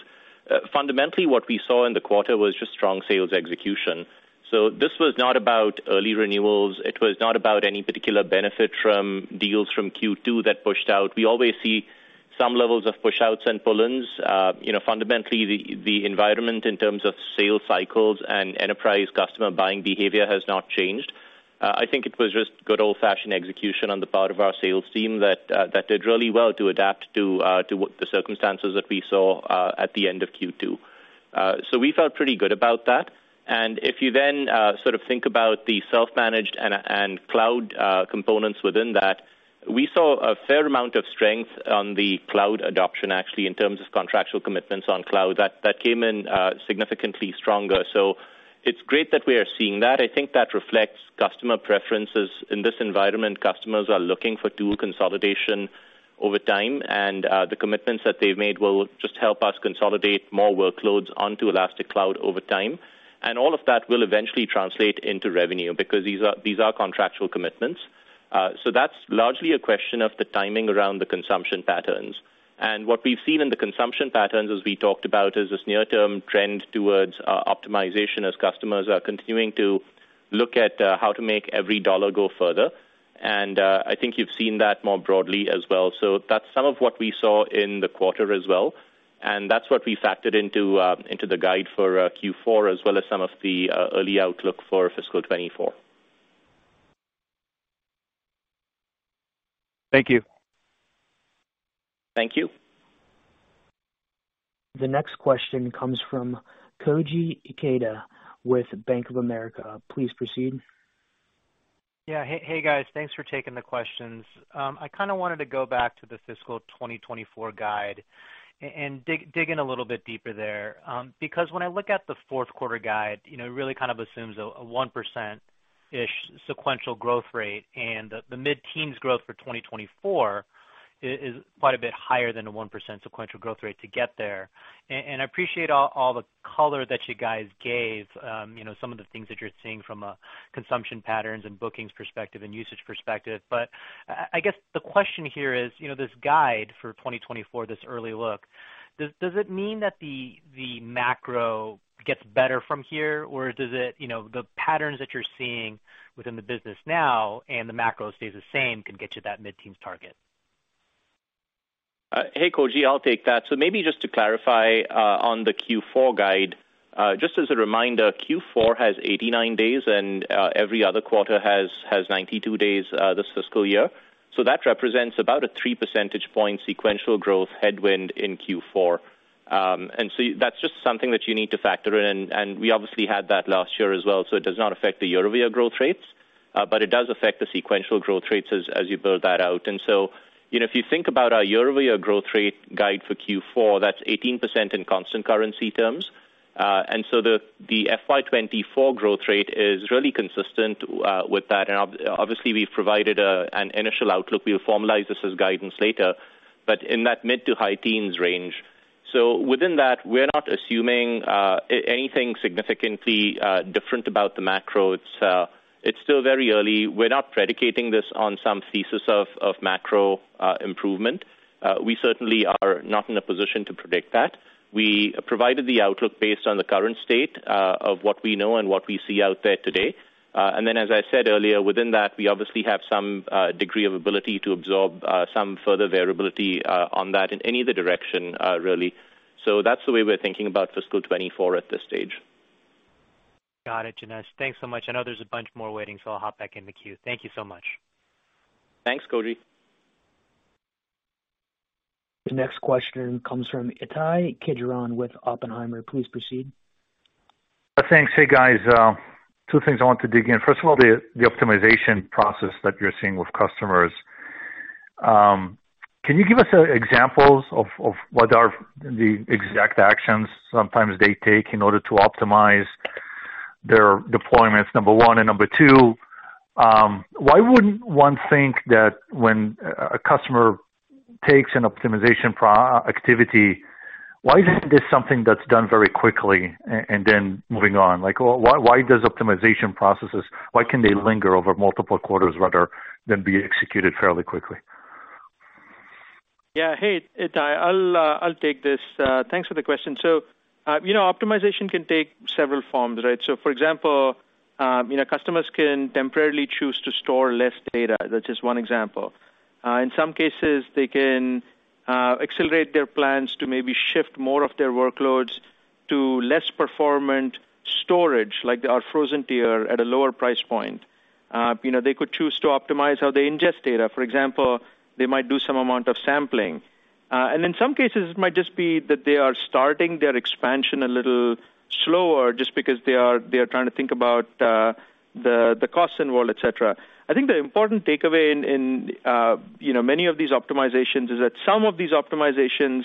Fundamentally, what we saw in the quarter was just strong sales execution. This was not about early renewals, it was not about any particular benefit from deals from Q2 that pushed out. We always see some levels of push-outs and pull-ins. You know, fundamentally, the environment in terms of sales cycles and enterprise customer buying behavior has not changed. I think it was just good old-fashioned execution on the part of our sales team that did really well to adapt to what the circumstances that we saw at the end of Q2. We felt pretty good about that. If you then sort of think about the self-managed and cloud components within that, we saw a fair amount of strength on the cloud adoption, actually, in terms of contractual commitments on cloud that came in significantly stronger. It's great that we are seeing that. I think that reflects customer preferences. In this environment, customers are looking for dual consolidation over time, and the commitments that they've made will just help us consolidate more workloads onto Elastic Cloud over time. All of that will eventually translate into revenue because these are contractual commitments. That's largely a question of the timing around the consumption patterns. What we've seen in the consumption patterns, as we talked about, is this near-term trend towards optimization as customers are continuing to look at how to make every dollar go further. I think you've seen that more broadly as well. That's some of what we saw in the quarter as well, and that's what we factored into into the guide for Q4 as well as some of the early outlook for fiscal 2024. Thank you. Thank you. The next question comes from Koji Ikeda with Bank of America. Please proceed. Yeah. Hey, hey guys, thanks for taking the questions. I kinda wanted to go back to the fiscal 2024 guide and dig in a little bit deeper there, because when I look at the fourth quarter guide, you know, it really kind of assumes a 1%-ish sequential growth rate, and the mid-teens growth for 2024 is quite a bit higher than a 1% sequential growth rate to get there. I appreciate all the color that you guys gave, you know, some of the things that you're seeing from a consumption patterns and bookings perspective and usage perspective, I guess, the question here is, you know, this guide for 2024, this early look, does it mean that the macro gets better from here, or does it, you know, the patterns that you're seeing within the business now and the macro stays the same can get you that mid-teens target? Hey, Koji, I'll take that. Maybe just to clarify, on the Q4 guide, just as a reminder, Q4 has 89 days and every other quarter has 92 days this fiscal year. That represents about a 3 percentage point sequential growth headwind in Q4. That's just something that you need to factor in, and we obviously had that last year as well, so it does not affect the year-over-year growth rates, but it does affect the sequential growth rates as you build that out. You know, if you think about our year-over-year growth rate guide for Q4, that's 18% in constant currency terms. The FY 2024 growth rate is really consistent with that. Obviously, we've provided an initial outlook. We'll formalize this as guidance later, but in that mid to high teens range. Within that, we're not assuming anything significantly different about the macro. It's still very early. We're not predicating this on some thesis of macro improvement. We certainly are not in a position to predict that. We provided the outlook based on the current state of what we know and what we see out there today. And then, as I said earlier, within that, we obviously have some degree of ability to absorb some further variability on that in any of the direction really. That's the way we're thinking about fiscal 2024 at this stage. Got it, Janesh. Thanks so much. I know there's a bunch more waiting, so I'll hop back in the queue. Thank you so much. Thanks, Kodi. The next question comes from Ittai Kidron with Oppenheimer. Please proceed. Thanks. Hey, guys. Two things I want to dig in. First of all, the optimization process that you're seeing with customers. Can you give us examples of what are the exact actions sometimes they take in order to optimize their deployments, number one? Number two, why wouldn't one think that when a customer takes an optimization activity, why isn't this something that's done very quickly and then moving on? Like, why does optimization processes, why can they linger over multiple quarters rather than be executed fairly quickly? Yeah. Hey, Ittai, I'll take this. Thanks for the question. You know, optimization can take several forms, right? For example, you know, customers can temporarily choose to store less data. That's just one example. In some cases, they can accelerate their plans to maybe shift more of their workloads to less performant storage, like our frozen tier at a lower price point. You know, they could choose to optimize how they ingest data. For example, they might do some amount of sampling. In some cases, it might just be that they are starting their expansion a little slower just because they are trying to think about the costs involved, et cetera. I think the important takeaway in, you know, many of these optimizations is that some of these optimizations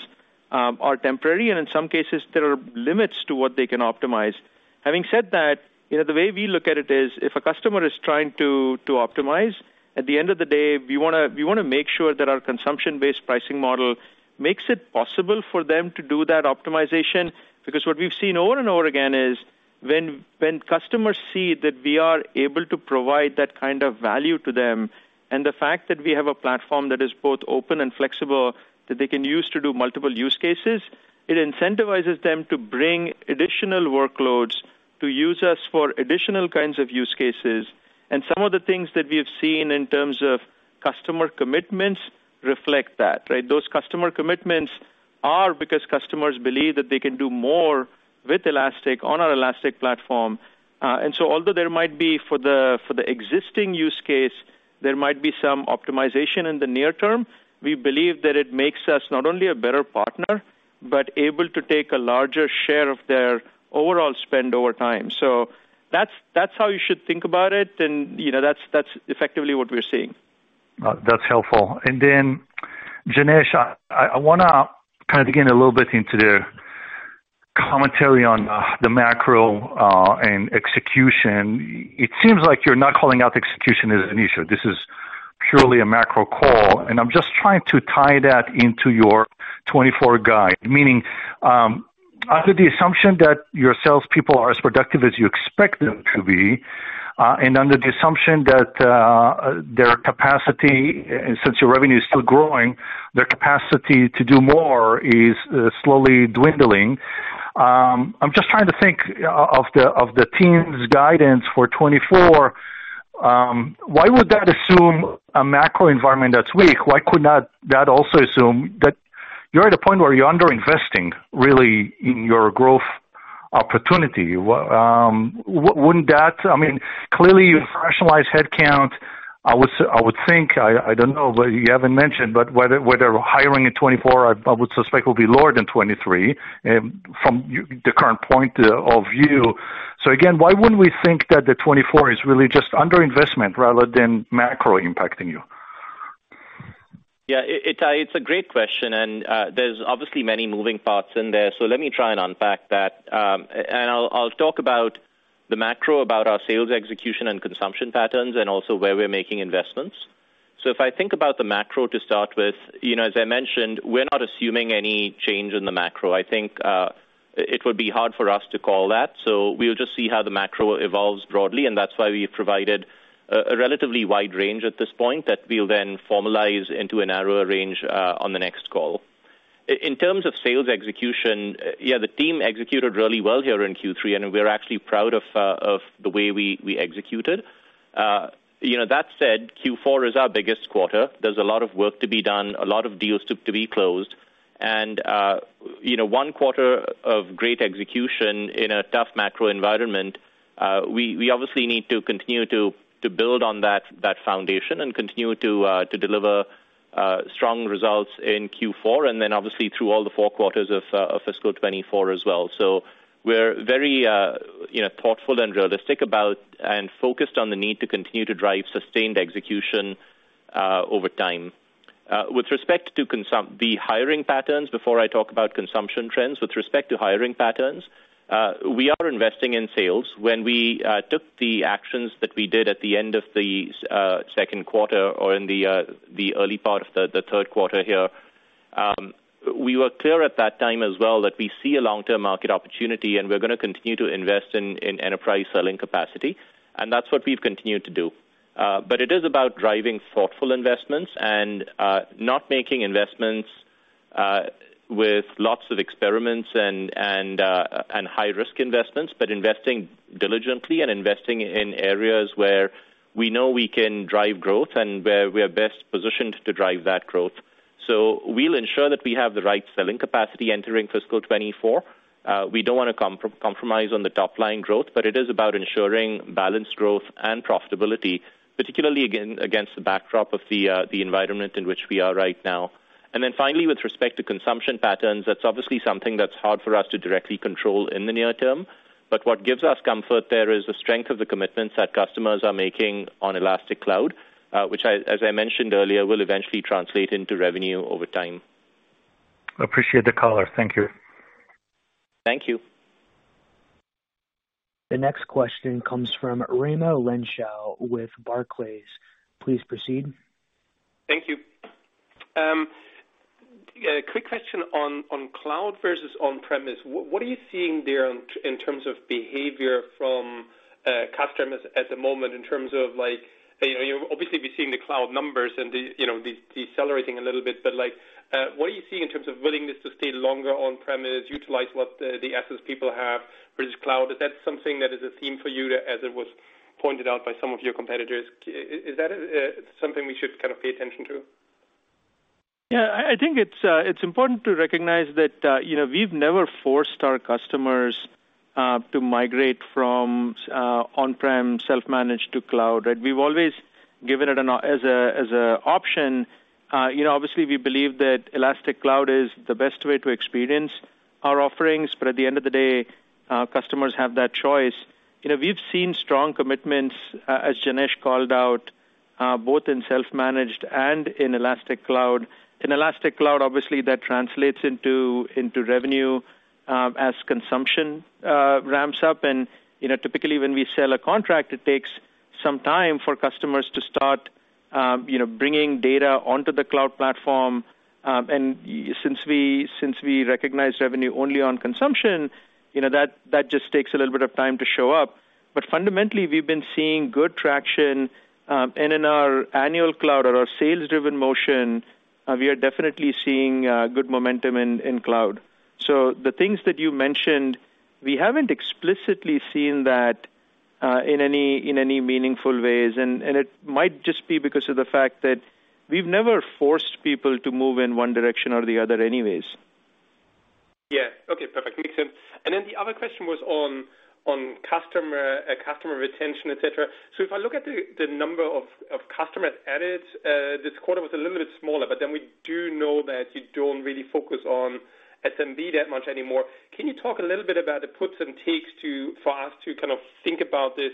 are temporary, and in some cases, there are limits to what they can optimize. Having said that, you know, the way we look at it is if a customer is trying to optimize, at the end of the day, we want to make sure that our consumption-based pricing model makes it possible for them to do that optimization. Because what we've seen over and over again is when customers see that we are able to provide that kind of value to them, and the fact that we have a platform that is both open and flexible that they can use to do multiple use cases, it incentivizes them to bring additional workloads to use us for additional kinds of use cases. Some of the things that we have seen in terms of customer commitments reflect that, right. Those customer commitments are because customers believe that they can do more with Elastic on our Elastic platform. Although there might be for the, for the existing use case, there might be some optimization in the near term, we believe that it makes us not only a better partner, but able to take a larger share of their overall spend over time. That's how you should think about it, and, you know, that's effectively what we're seeing. That's helpful. Janesh, I want to kind of dig in a little bit into the commentary on the macro and execution. It seems like you're not calling out execution as an issue. This is purely a macro call, and I'm just trying to tie that into your 2024 guide. Under the assumption that your salespeople are as productive as you expect them to be, and under the assumption that their capacity, since your revenue is still growing, their capacity to do more is slowly dwindling. I'm just trying to think of the team's guidance for 2024. Why would that assume a macro environment that's weak? Why could not that also assume that you're at a point where you're under investing really in your growth opportunity? Wouldn't that... I mean, clearly you've rationalized headcount, I would think, I don't know, but you haven't mentioned. Whether hiring in 2024 I would suspect will be lower than 2023, from the current point of view. Again, why wouldn't we think that 2024 is really just underinvestment rather than macro impacting you? Yeah. Ittai, it's a great question, there's obviously many moving parts in there, so let me try and unpack that. I'll talk about the macro, about our sales execution and consumption patterns and also where we're making investments. If I think about the macro to start with, you know, as I mentioned, we're not assuming any change in the macro. I think it would be hard for us to call that. We'll just see how the macro evolves broadly, that's why we've provided a relatively wide range at this point that we'll then formalize into a narrower range on the next call. In terms of sales execution, yeah, the team executed really well here in Q3, we're actually proud of the way we executed. You know, that said, Q4 is our biggest quarter. There's a lot of work to be done, a lot of deals to be closed. you know, one quarter of great execution in a tough macro environment, we obviously need to continue to build on that foundation and continue to deliver strong results in Q4 and then obviously through all the 4 quarters of fiscal 2024 as well. we're very, you know, thoughtful and realistic about and focused on the need to continue to drive sustained execution over time. With respect to the hiring patterns, before I talk about consumption trends, with respect to hiring patterns, we are investing in sales. When we took the actions that we did at the end of the second quarter or in the early part of the third quarter here, we were clear at that time as well that we see a long-term market opportunity, and we're going to continue to invest in enterprise selling capacity, and that's what we've continued to do. It is about driving thoughtful investments and not making investments with lots of experiments and high-risk investments, but investing diligently and investing in areas where we know we can drive growth and where we are best positioned to drive that growth. We'll ensure that we have the right selling capacity entering fiscal 2024. We don't want to compromise on the top-line growth, but it is about ensuring balanced growth and profitability, particularly again, against the backdrop of the environment in which we are right now. Finally, with respect to consumption patterns, that's obviously something that's hard for us to directly control in the near term. But what gives us comfort there is the strength of the commitments that customers are making on Elastic Cloud, which I, as I mentioned earlier, will eventually translate into revenue over time. Appreciate the color. Thank you. Thank you. The next question comes from Raimo Lenschow with Barclays. Please proceed. Thank you. Yeah, quick question on cloud versus on-premise. What are you seeing there in terms of behavior from customers at the moment in terms of like, you know, you'll obviously be seeing the cloud numbers and the, you know, decelerating a little bit, but like, what are you seeing in terms of willingness to stay longer on-premise, utilize what the assets people have versus cloud? Is that something that is a theme for you as it was pointed out by some of your competitors? Is that something we should kind of pay attention to? Yeah, I think it's important to recognize that, you know, we've never forced our customers to migrate from on-prem, self-managed to cloud, right? We've always given it as a, as a option. You know, obviously we believe that Elastic Cloud is the best way to experience our offerings, but at the end of the day, customers have that choice. You know, we've seen strong commitments, as Janesh called out, both in self-managed and in Elastic Cloud. In Elastic Cloud, obviously that translates into revenue, as consumption ramps up. You know, typically when we sell a contract, it takes some time for customers to start, you know, bringing data onto the cloud platform. Since we recognize revenue only on consumption, you know, that just takes a little bit of time to show up. Fundamentally, we've been seeing good traction, and in our annual cloud or our sales-driven motion, we are definitely seeing good momentum in cloud. The things that you mentioned, we haven't explicitly seen that in any, in any meaningful ways. It might just be because of the fact that we've never forced people to move in one direction or the other anyways. Yeah. Okay, perfect. Makes sense. The other question was on customer retention, et cetera. If I look at the number of customers added this quarter was a little bit smaller, we do know that you don't really focus on SMB that much anymore. Can you talk a little bit about the puts and takes for us to kind of think about this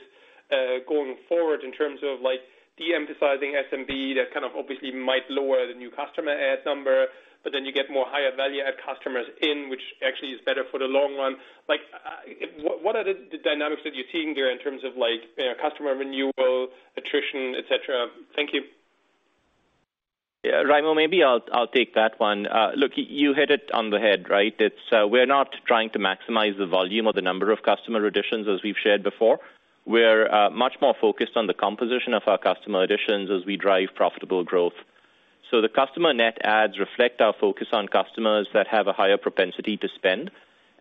going forward in terms of like de-emphasizing SMB that kind of obviously might lower the new customer add number, you get more higher value add customers in which actually is better for the long run. Like, what are the dynamics that you're seeing there in terms of like, you know, customer renewal, attrition, et cetera? Thank you. Yeah, Raimo, maybe I'll take that one. Look, you hit it on the head, right? It's, we're not trying to maximize the volume or the number of customer additions, as we've shared before. We're much more focused on the composition of our customer additions as we drive profitable growth. The customer net adds reflect our focus on customers that have a higher propensity to spend.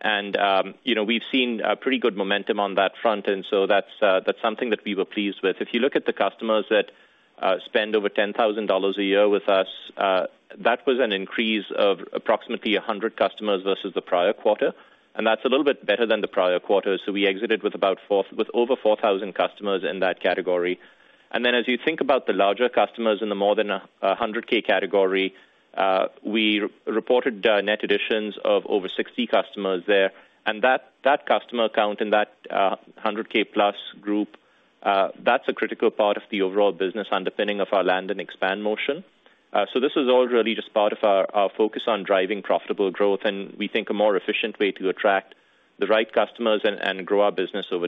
You know, we've seen a pretty good momentum on that front, that's something that we were pleased with. If you look at the customers that spend over $10,000 a year with us, that was an increase of approximately 100 customers versus the prior quarter, that's a little bit better than the prior quarter. We exited with over 4,000 customers in that category. As you think about the larger customers in the more than a $100,000 category, we reported net additions of over 60 customers there. That customer count in that $100,000+ group, that's a critical part of the overall business underpinning of our land and expand motion. This is all really just part of our focus on driving profitable growth, and we think a more efficient way to attract the right customers and grow our business over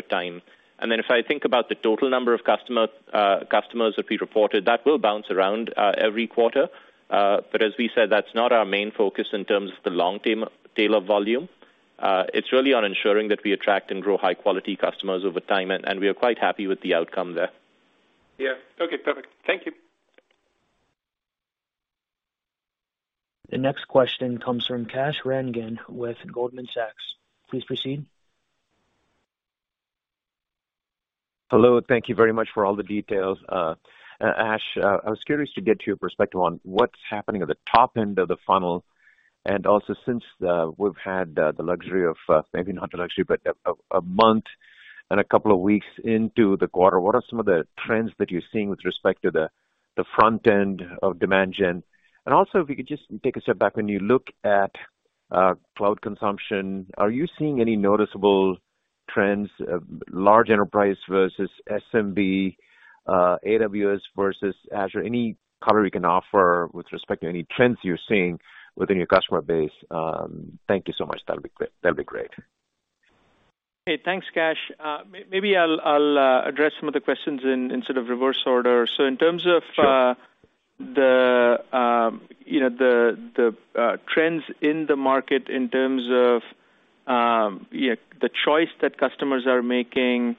time. If I think about the total number of customers that we reported, that will bounce around every quarter. As we said, that's not our main focus in terms of the long-term tail of volume. It's really on ensuring that we attract and grow high-quality customers over time, and we are quite happy with the outcome there. Yeah. Okay, perfect. Thank you. The next question comes from Kash Rangan with Goldman Sachs. Please proceed. Hello, thank you very much for all the details. Ash, I was curious to get your perspective on what's happening at the top end of the funnel, since we've had the luxury of, maybe not a luxury, but a month and a couple of weeks into the quarter, what are some of the trends that you're seeing with respect to the front end of demand gen? If you could just take a step back. When you look at cloud consumption, are you seeing any noticeable trends of large enterprise versus SMB, AWS versus Azure? Any color you can offer with respect to any trends you're seeing within your customer base, thank you so much. That'll be great. Hey, thanks, Kash. maybe I'll address some of the questions in sort of reverse order. in terms of. Sure. The, you know, the trends in the market in terms of, yeah, the choice that customers are making,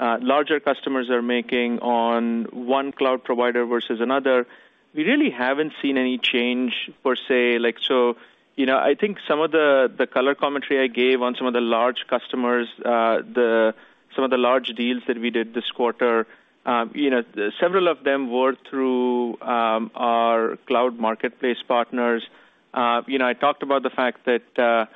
larger customers are making on one cloud provider versus another, we really haven't seen any change per se. Like, you know, I think some of the color commentary I gave on some of the large customers, some of the large deals that we did this quarter, you know, several of them were through our cloud marketplace partners. I talked about the fact that,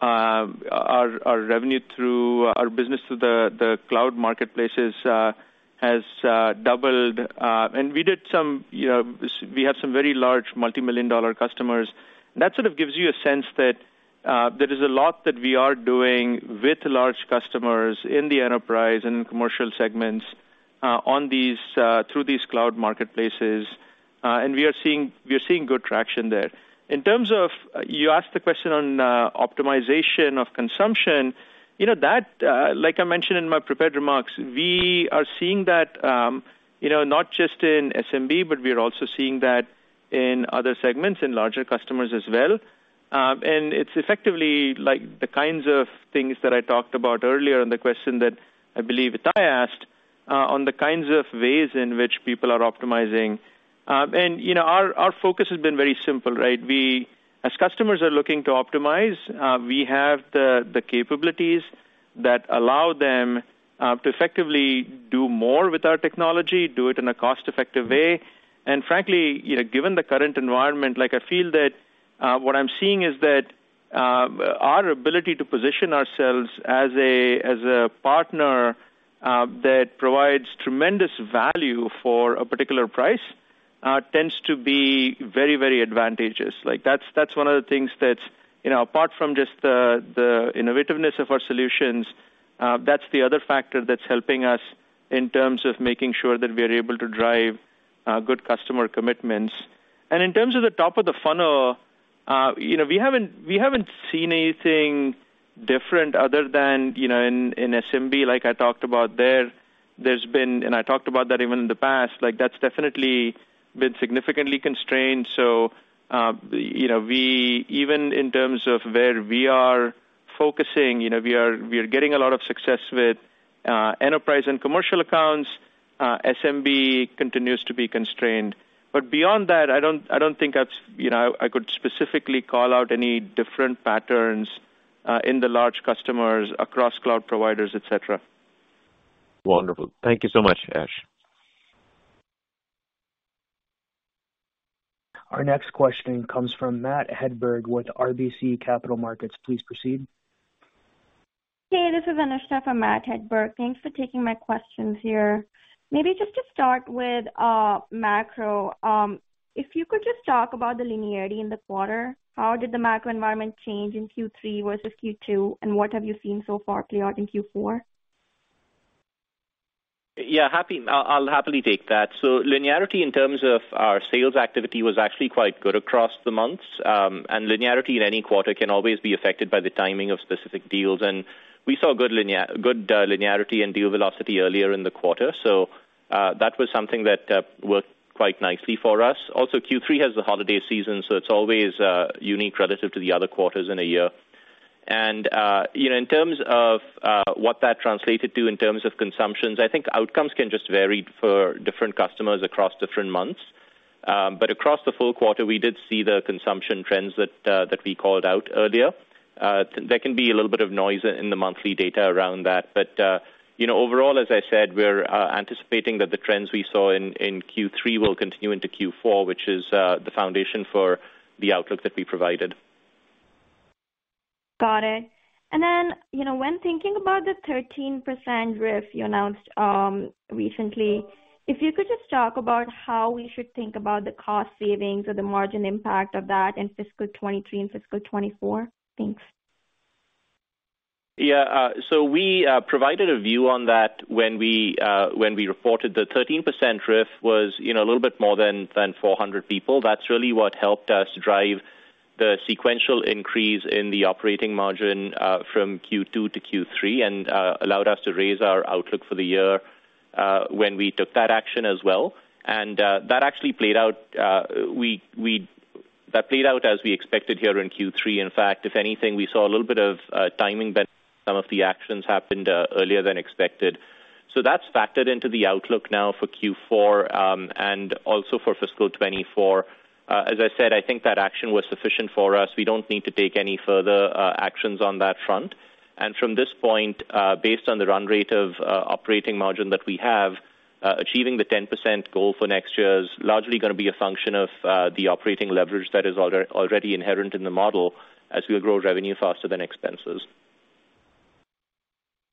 our revenue through our business to the cloud marketplaces, has doubled. We did some, you know, we had some very large multi-million dollar customers. That sort of gives you a sense that there is a lot that we are doing with large customers in the enterprise and commercial segments on these through these cloud marketplaces. We are seeing good traction there. In terms of, you asked the question on optimization of consumption. You know, that, like I mentioned in my prepared remarks, we are seeing that, you know, not just in SMB, but we are also seeing that in other segments, in larger customers as well. It's effectively like the kinds of things that I talked about earlier in the question that I believe Ittai asked on the kinds of ways in which people are optimizing. You know, our focus has been very simple, right? As customers are looking to optimize, we have the capabilities that allow them to effectively do more with our technology, do it in a cost-effective way. Frankly, you know, given the current environment, like, I feel that what I'm seeing is that our ability to position ourselves as a partner that provides tremendous value for a particular price tends to be very, very advantageous. Like, that's one of the things that's, you know, apart from just the innovativeness of our solutions, that's the other factor that's helping us in terms of making sure that we are able to drive good customer commitments. In terms of the top of the funnel, you know, we haven't seen anything different other than, you know, in SMB, like I talked about there. There's been... I talked about that even in the past, like that's definitely been significantly constrained. You know, we even in terms of where we are focusing, you know, we are getting a lot of success with enterprise and commercial accounts. SMB continues to be constrained. Beyond that, I don't, I don't think that's, you know, I could specifically call out any different patterns in the large customers across cloud providers, et cetera. Wonderful. Thank you so much, Ash. Our next question comes from Matt Hedberg with RBC Capital Markets. Please proceed. Hey, this is Anushtha for Matt Hedberg. Thanks for taking my questions here. Maybe just to start with macro. If you could just talk about the linearity in the quarter. How did the macro environment change in Q3 versus Q2, and what have you seen so far play out in Q4? Yeah, I'll happily take that. Linearity in terms of our sales activity was actually quite good across the months. Linearity in any quarter can always be affected by the timing of specific deals. We saw good linearity and deal velocity earlier in the quarter. That was something that worked quite nicely for us. Also, Q3 has the holiday season, so it's always unique relative to the other quarters in a year. You know, in terms of what that translated to in terms of consumptions, I think outcomes can just vary for different customers across different months. Across the full quarter, we did see the consumption trends that we called out earlier. There can be a little bit of noise in the monthly data around that. You know, overall, as I said, we're anticipating that the trends we saw in Q3 will continue into Q4, which is the foundation for the outlook that we provided. Got it. You know, when thinking about the [13% RIF] you announced recently, if you could just talk about how we should think about the cost savings or the margin impact of that in fiscal 2023 and fiscal 2024. Thanks. Yeah. We provided a view on that when we reported the [13% RIF] was, you know, a little bit more than 400 people. That's really what helped us drive the sequential increase in the operating margin from Q2 to Q3 and allowed us to raise our outlook for the year when we took that action as well. That played out as we expected here in Q3. In fact, if anything, we saw a little bit of timing benefit. Some of the actions happened earlier than expected. That's factored into the outlook now for Q4 and also for fiscal 2024. As I said, I think that action was sufficient for us. We don't need to take any further actions on that front. From this point, based on the run rate of operating margin that we have, achieving the 10% goal for next year is largely going to be a function of the operating leverage that is already inherent in the model as we grow revenue faster than expenses.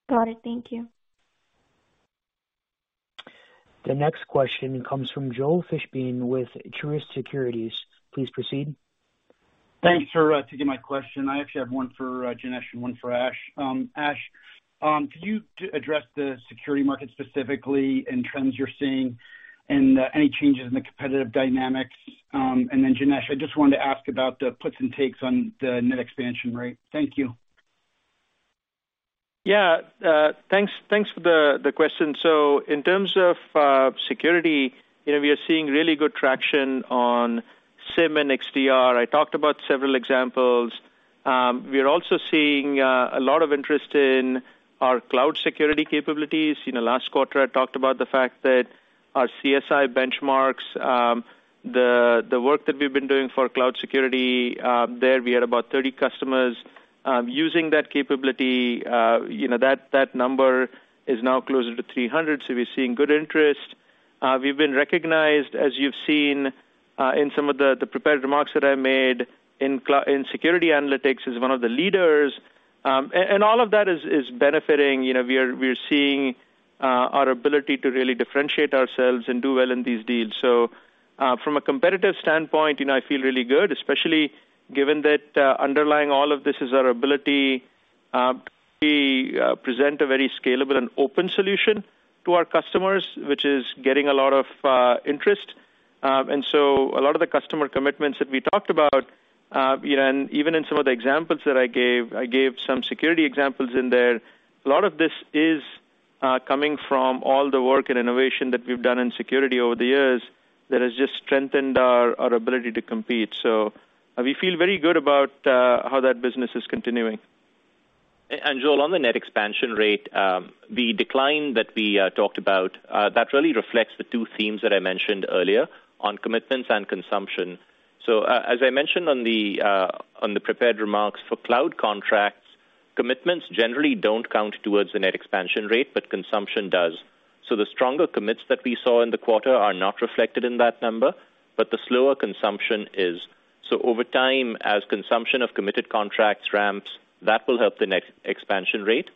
Got it. Thank you. The next question comes from Joel Fishbein with Truist Securities. Please proceed. Thanks for taking my question. I actually have one for Janesh and one for Ash. Ash, could you address the security market specifically and trends you're seeing and any changes in the competitive dynamics? Janesh, I just wanted to ask about the puts and takes on the Net Expansion Rate. Thank you. Thanks, thanks for the question. In terms of security, you know, we are seeing really good traction on SIEM and XDR. I talked about several examples. We are also seeing a lot of interest in our cloud security capabilities. You know, last quarter I talked about the fact that our CIS Benchmarks, the work that we've been doing for cloud security, there we had about 30 customers using that capability. You know, that number is now closer to 300, so we're seeing good interest. We've been recognized, as you've seen, in some of the prepared remarks that I made in security analytics as one of the leaders. And all of that is benefiting. You know, we are seeing our ability to really differentiate ourselves and do well in these deals. From a competitive standpoint, you know, I feel really good, especially given that underlying all of this is our ability, we present a very scalable and open solution to our customers, which is getting a lot of interest. A lot of the customer commitments that we talked about, you know, and even in some of the examples that I gave, I gave some security examples in there. A lot of this is coming from all the work and innovation that we've done in security over the years that has just strengthened our ability to compete. We feel very good about how that business is continuing. Joel, on the net expansion rate, the decline that we talked about, that really reflects the two themes that I mentioned earlier on commitments and consumption. As I mentioned on the prepared remarks for cloud contracts, commitments generally don't count towards the net expansion rate, but consumption does. The stronger commits that we saw in the quarter are not reflected in that number, but the slower consumption is. Over time, as consumption of committed contracts ramps, that will help the net expansion rate.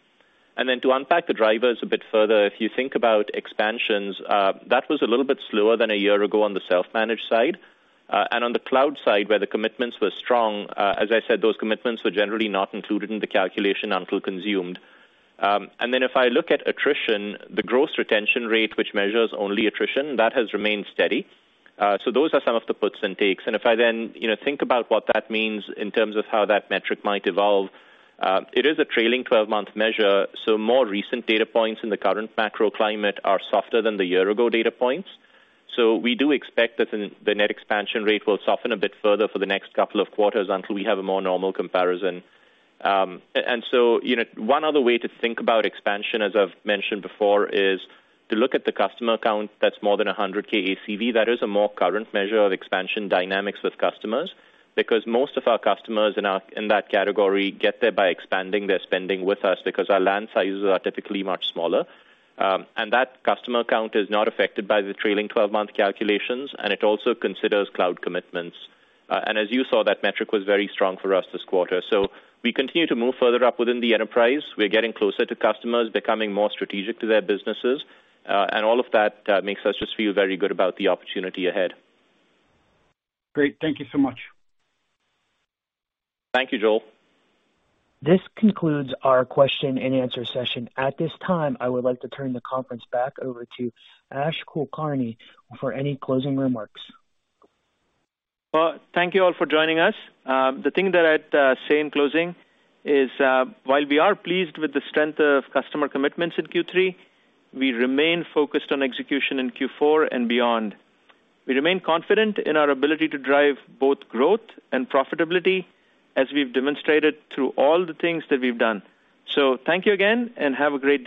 Then to unpack the drivers a bit further, if you think about expansions, that was a little bit slower than a year ago on the self-managed side. On the cloud side, where the commitments were strong, as I said, those commitments were generally not included in the calculation until consumed. Then if I look at attrition, the gross retention rate, which measures only attrition, that has remained steady. Those are some of the puts and takes. If I then, you know, think about what that means in terms of how that metric might evolve, it is a trailing 12-month measure, so more recent data points in the current macro climate are softer than the year ago data points. We do expect that the Net Expansion Rate will soften a bit further for the next couple of quarters until we have a more normal comparison. You know, one other way to think about expansion, as I've mentioned before, is to look at the customer count that's more than $100,000 ACV. That is a more current measure of expansion dynamics with customers because most of our customers in our, in that category get there by expanding their spending with us because our land sizes are typically much smaller. That customer count is not affected by the trailing 12-month calculations, and it also considers cloud commitments. As you saw, that metric was very strong for us this quarter. We continue to move further up within the enterprise. We're getting closer to customers, becoming more strategic to their businesses, and all of that makes us just feel very good about the opportunity ahead. Great. Thank you so much. Thank you, Joel. This concludes our question-and-answer session. At this time, I would like to turn the conference back over to Ash Kulkarni for any closing remarks. Well, thank you all for joining us. The thing that I'd say in closing is, while we are pleased with the strength of customer commitments in Q3, we remain focused on execution in Q4 and beyond. We remain confident in our ability to drive both growth and profitability as we've demonstrated through all the things that we've done. Thank you again, and have a great day.